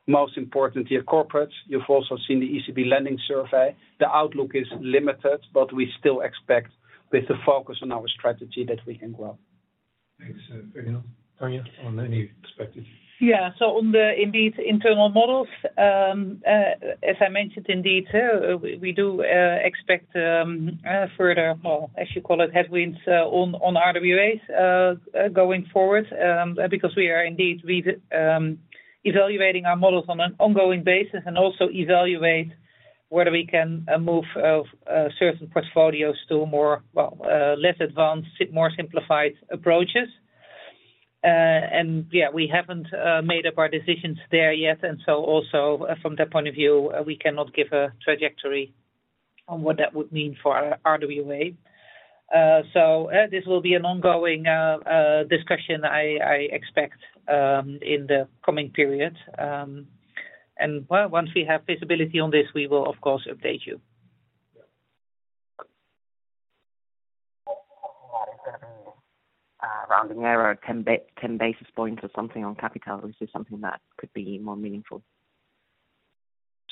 most importantly at corporates, you've also seen the ECB lending survey. The outlook is limited, but we still expect with the focus on our strategy that we can grow. Thanks. Ferdinand Tanja, on any expected, Yeah. In these internal models, as I mentioned, indeed, we do expect further, well, as you call it, headwinds on RWAs going forward, because we are indeed evaluating our models on an ongoing basis and also evaluate whether we can move certain portfolios to a more, well, less advanced, more simplified approaches. Yeah, we haven't made up our decisions there yet. Also from that point of view, we cannot give a trajectory on what that would mean for our RWA. This will be an ongoing discussion I expect in the coming period. Well, once we have visibility on this, we will of course update you. rounding error, 10 basis points or something on capital. Is this something that could be more meaningful?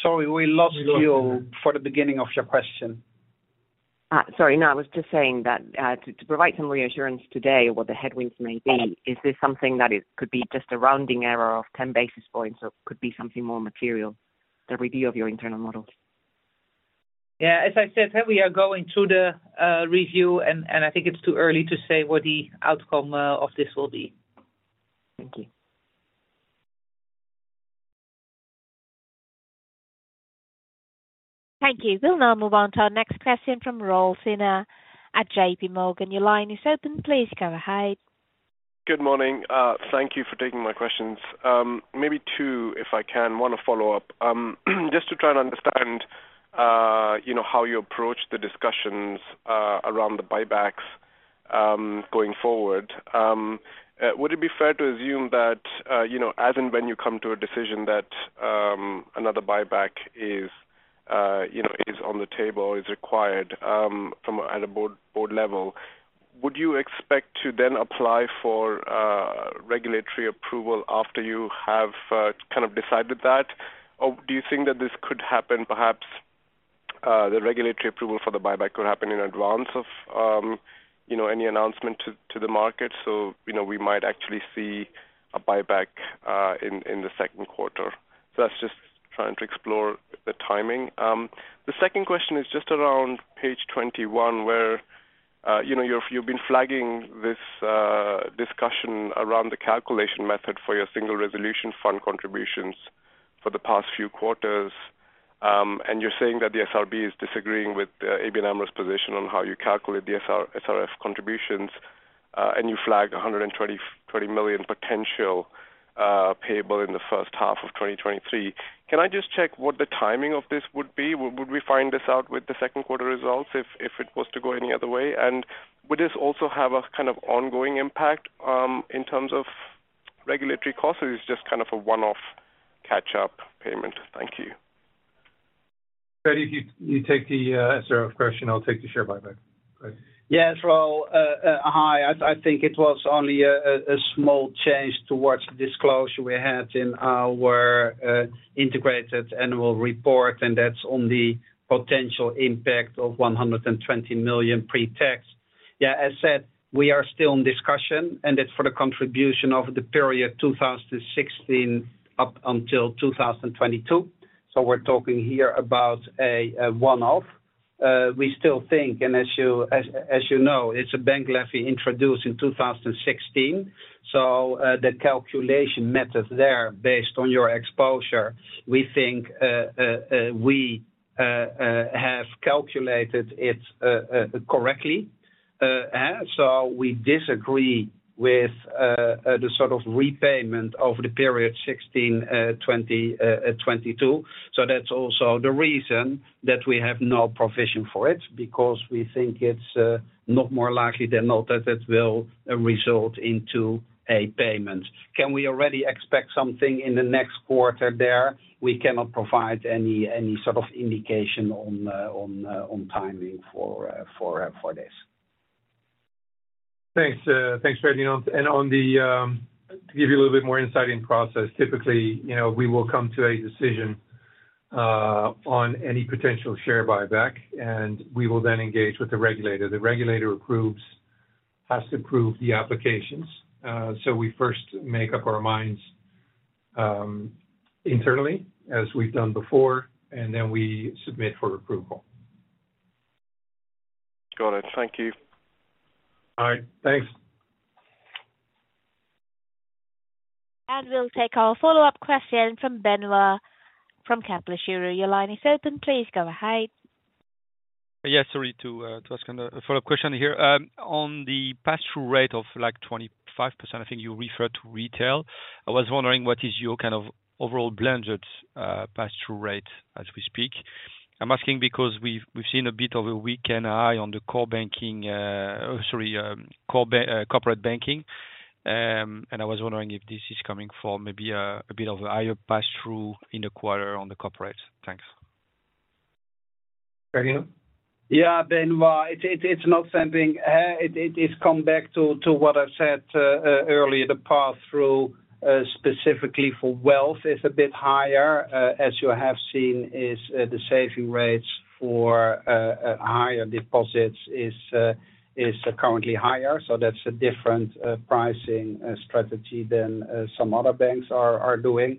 Sorry, we lost you for the beginning of your question. Sorry. No, I was just saying that, to provide some reassurance today what the headwinds may be, is this something that it could be just a rounding error of 10 basis points or could be something more material, the review of your internal models? As I said, we are going through the review, and I think it's too early to say what the outcome of this will be. Thank you. Thank you. We'll now move on to our next question from Raul Sinha at JPMorgan. Your line is open. Please go ahead. Good morning. Thank you for taking my questions. Maybe two, if I can. One to follow up. Just to try and understand, you know, how you approach the discussions around the buybacks going forward. Would it be fair to assume that, you know, as and when you come to a decision that another buyback is, you know, is on the table, is required at a board level, would you expect to then apply for regulatory approval after you have kind of decided that? Or do you think that this could happen, perhaps, the regulatory approval for the buyback could happen in advance of, you know, any announcement to the market, so, you know, we might actually see a buyback in the second quarter? That's just trying to explore the timing. The second question is just around page 21 where, you know, you've been flagging this discussion around the calculation method for your Single Resolution Fund contributions for the past few quarters. You're saying that the SRB is disagreeing with ABN AMRO's position on how you calculate the SRF contributions, and you flagged 120 million potential payable in the first half of 2023. Can I just check what the timing of this would be? Would we find this out with the second quarter results if it was to go any other way? Would this also have a kind of ongoing impact in terms of regulatory costs, or is this just kind of a one-off catch-up payment? Thank you. Freddy, if you take the SRF question, I'll take the share buyback. Go ahead. Yes, Raul, hi. I think it was only a small change towards disclosure we had in our integrated annual report, and that's on the potential impact of 120 million pre-tax. Yeah, as said, we are still in discussion, and it's for the contribution of the period 2016 up until 2022. We're talking here about a one-off. We still think, and as you know, it's a bank levy introduced in 2016, so the calculation methods there, based on your exposure, we think we have calculated it correctly. We disagree with the sort of repayment of the period 16, 20, 22. That's also the reason that we have no provision for it, because we think it's not more likely than not that it will result into a payment. Can we already expect something in the next quarter there? We cannot provide any sort of indication on timing for this. Thanks, Freddy. To give you a little bit more insight in process, typically, you know, we will come to a decision on any potential share buyback, and we will then engage with the regulator. The regulator approves, has to approve the applications. We first make up our minds internally, as we've done before, and then we submit for approval. Got it. Thank you. All right. Thanks. We'll take our follow-up question from Benoît from Kepler Cheuvreux. Your line is open. Please go ahead. Yes. Sorry to ask a follow-up question here. On the pass-through rate of, like, 25%, I think you referred to retail. I was wondering what is your kind of overall blended pass-through rate as we speak. I'm asking because we've seen a bit of a weak NI on the core banking, or sorry, corporate banking. I was wondering if this is coming from maybe a bit of a higher pass-through in the quarter on the corporate. Thanks. Freddy, you? Benoît. It's not something, it is come back to what I've said earlier. The pass-through, specifically for wealth is a bit higher. As you have seen is, the saving rates for higher deposits is currently higher, so that's a different pricing strategy than some other banks are doing.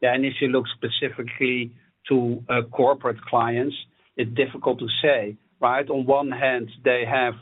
If you look specifically to corporate clients, it's difficult to say, right? On one hand, they have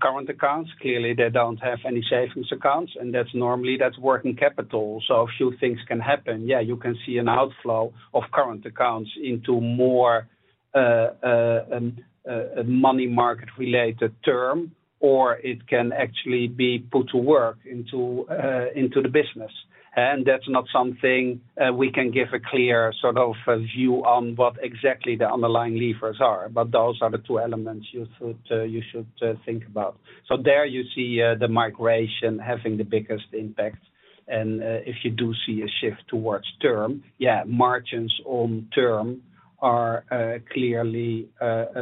current accounts. Clearly, they don't have any savings accounts, and that's normally, that's working capital. A few things can happen. You can see an outflow of current accounts into more money market related term, or it can actually be put to work into the business. That's not something we can give a clear sort of a view on what exactly the underlying levers are. Those are the two elements you should think about. There you see the migration having the biggest impact. If you do see a shift towards term, yeah, margins on term are clearly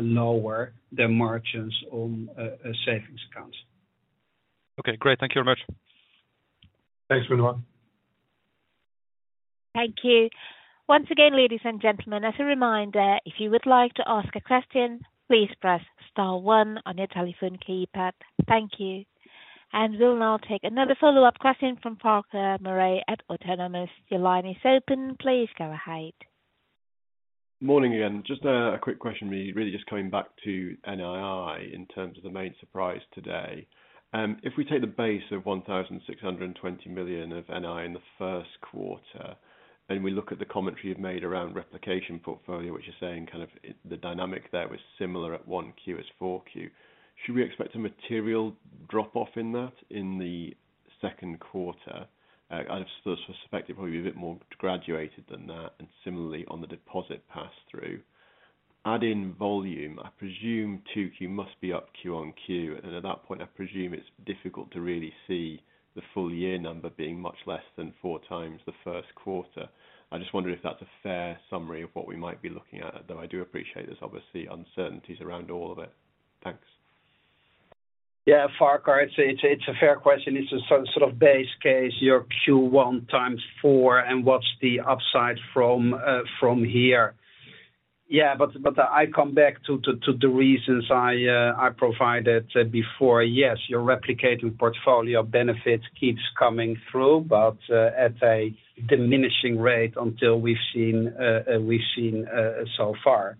lower than margins on savings accounts. Okay, great. Thank you very much. Thanks, Benoît. Thank you. Once again, ladies and gentlemen, as a reminder, if you would like to ask a question, please press star one on your telephone keypad. Thank you. We'll now take another follow-up question from Farquhar Murray at Autonomous. Your line is open. Please go ahead. Morning again. Just a quick question. Really just coming back to NII in terms of the main surprise today. If we take the base of 1,620 million of NII in the first quarter, and we look at the commentary you've made around replicating portfolio, which you're saying kind of the dynamic there was similar at one Q as four Q. Should we expect a material drop-off in that in the second quarter? I suspect it will be a bit more graduated than that, and similarly on the deposit pass-through. Add in volume, I presume two Q must be up Q on Q. At that point, I presume it's difficult to really see the full year number being much less than 4 times the first quarter. I'm just wondering if that's a fair summary of what we might be looking at. I do appreciate there's obviously uncertainties around all of it. Thanks. Farquhar, it's a fair question. It's a sort of base case, your Q1 times 4 and what's the upside from here. I come back to the reasons I provided before. Yes, your replicated portfolio benefit keeps coming through, but at a diminishing rate until we've seen so far.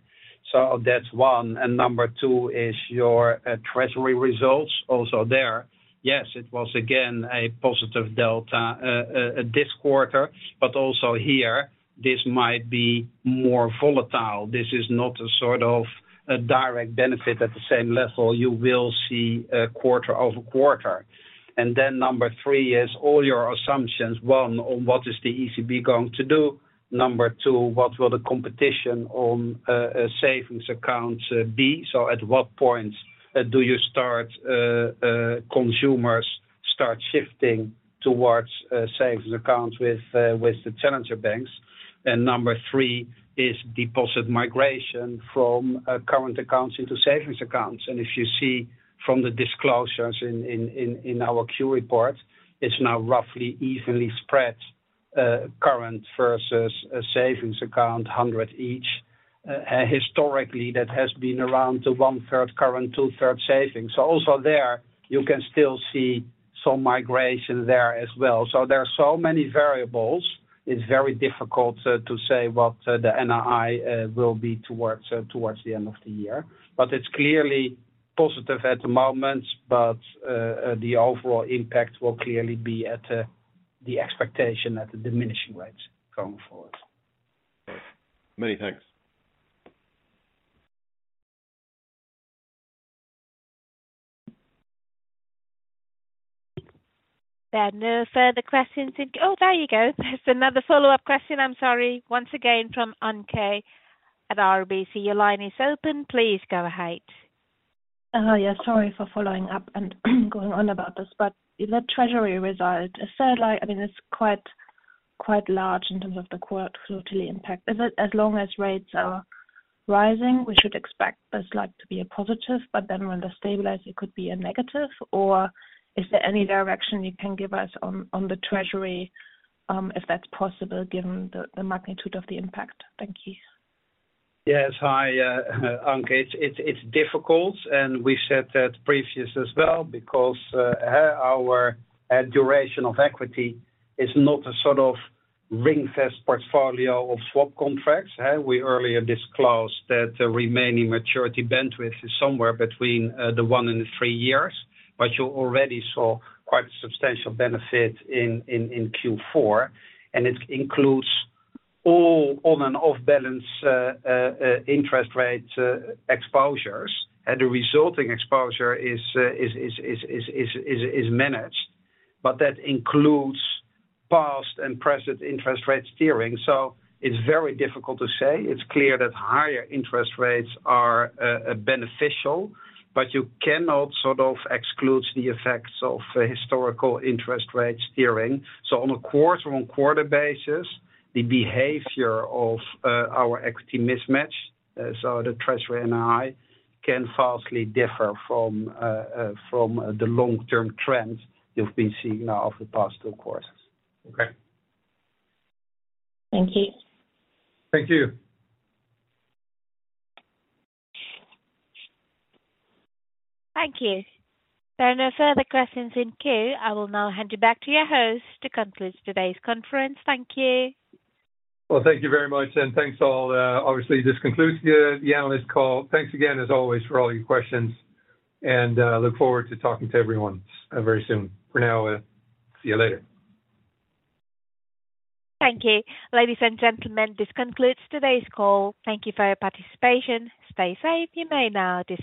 That's one. Number two is your treasury results. Also there, yes, it was again a positive delta this quarter, but also here, this might be more volatile. This is not a sort of a direct benefit at the same level you will see a quarter-over-quarter. Number three is all your assumptions. One, on what is the ECB going to do? Number two, what will the competition on a savings accounts be? At what point do consumers start shifting towards savings accounts with the challenger banks? Number three is deposit migration from current accounts into savings accounts. If you see from the disclosures in our Q report, it's now roughly evenly spread, current versus a savings account, 100 each. Historically, that has been around the one-third current, two-third savings. Also there, you can still see some migration there as well. There are so many variables, it's very difficult to say what the NII will be towards the end of the year. It's clearly positive at the moment, but the overall impact will clearly be at the expectation at a diminishing rate going forward. Many thanks. There are no further questions oh, there you go. There's another follow-up question, I'm sorry. Once again from Anke at RBC. Your line is open. Please go ahead. Yeah, sorry for following up and going on about this. That treasury result, is there? I mean, it's quite large in terms of the quote, totally impact. Is it as long as rates are rising, we should expect this like to be a positive, but then when they stabilize, it could be a negative? Is there any direction you can give us on the treasury, if that's possible, given the magnitude of the impact? Thank you. Yes. Hi, Anke Reingen. It's difficult, and we said that previous as well because our duration of equity is not a sort of ring-fence portfolio of swap contracts? We earlier disclosed that the remaining maturity bandwidth is somewhere between the one and three years, which you already saw quite a substantial benefit in Q4. It includes all on and off balance interest rate exposures. The resulting exposure is managed. That includes past and present interest rate steering. It's very difficult to say. It's clear that higher interest rates are beneficial, but you cannot sort of exclude the effects of historical interest rate steering. On a quarter-on-quarter basis, the behavior of our equity mismatch, so the treasury NII, can falsely differ from the long-term trends you've been seeing now over the past two quarters. Okay. Thank you. Thank you. Thank you. There are no further questions in queue. I will now hand you back to your host to conclude today's conference. Thank you. Well, thank ou very much. Thanks all. Obviously, this concludes the analyst call. Thanks again, as always, for all your questions. Look forward to talking to everyone very soon. For now, see you later. Thank you. Ladies and gentlemen, this conclude today's call. Thank you for your participation. Stay safe. You may now disconnect.